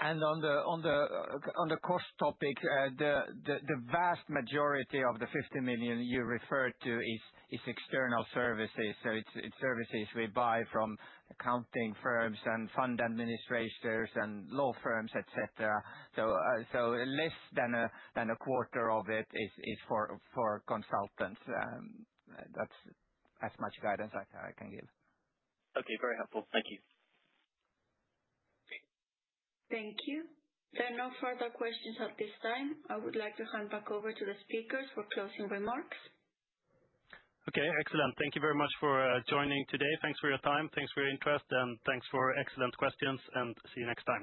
And on the cost topic, the vast majority of the 50 million you referred to is external services. So it's services we buy from accounting firms and fund administrators and law firms, etc. So less than a quarter of it is for consultants. That's as much guidance I can give. Okay, very helpful. Thank you. Thank you. There are no further questions at this time. I would like to hand back over to the speakers for closing remarks. Okay, excellent. Thank you very much for joining today. Thanks for your time. Thanks for your interest. And thanks for excellent questions. And see you next time.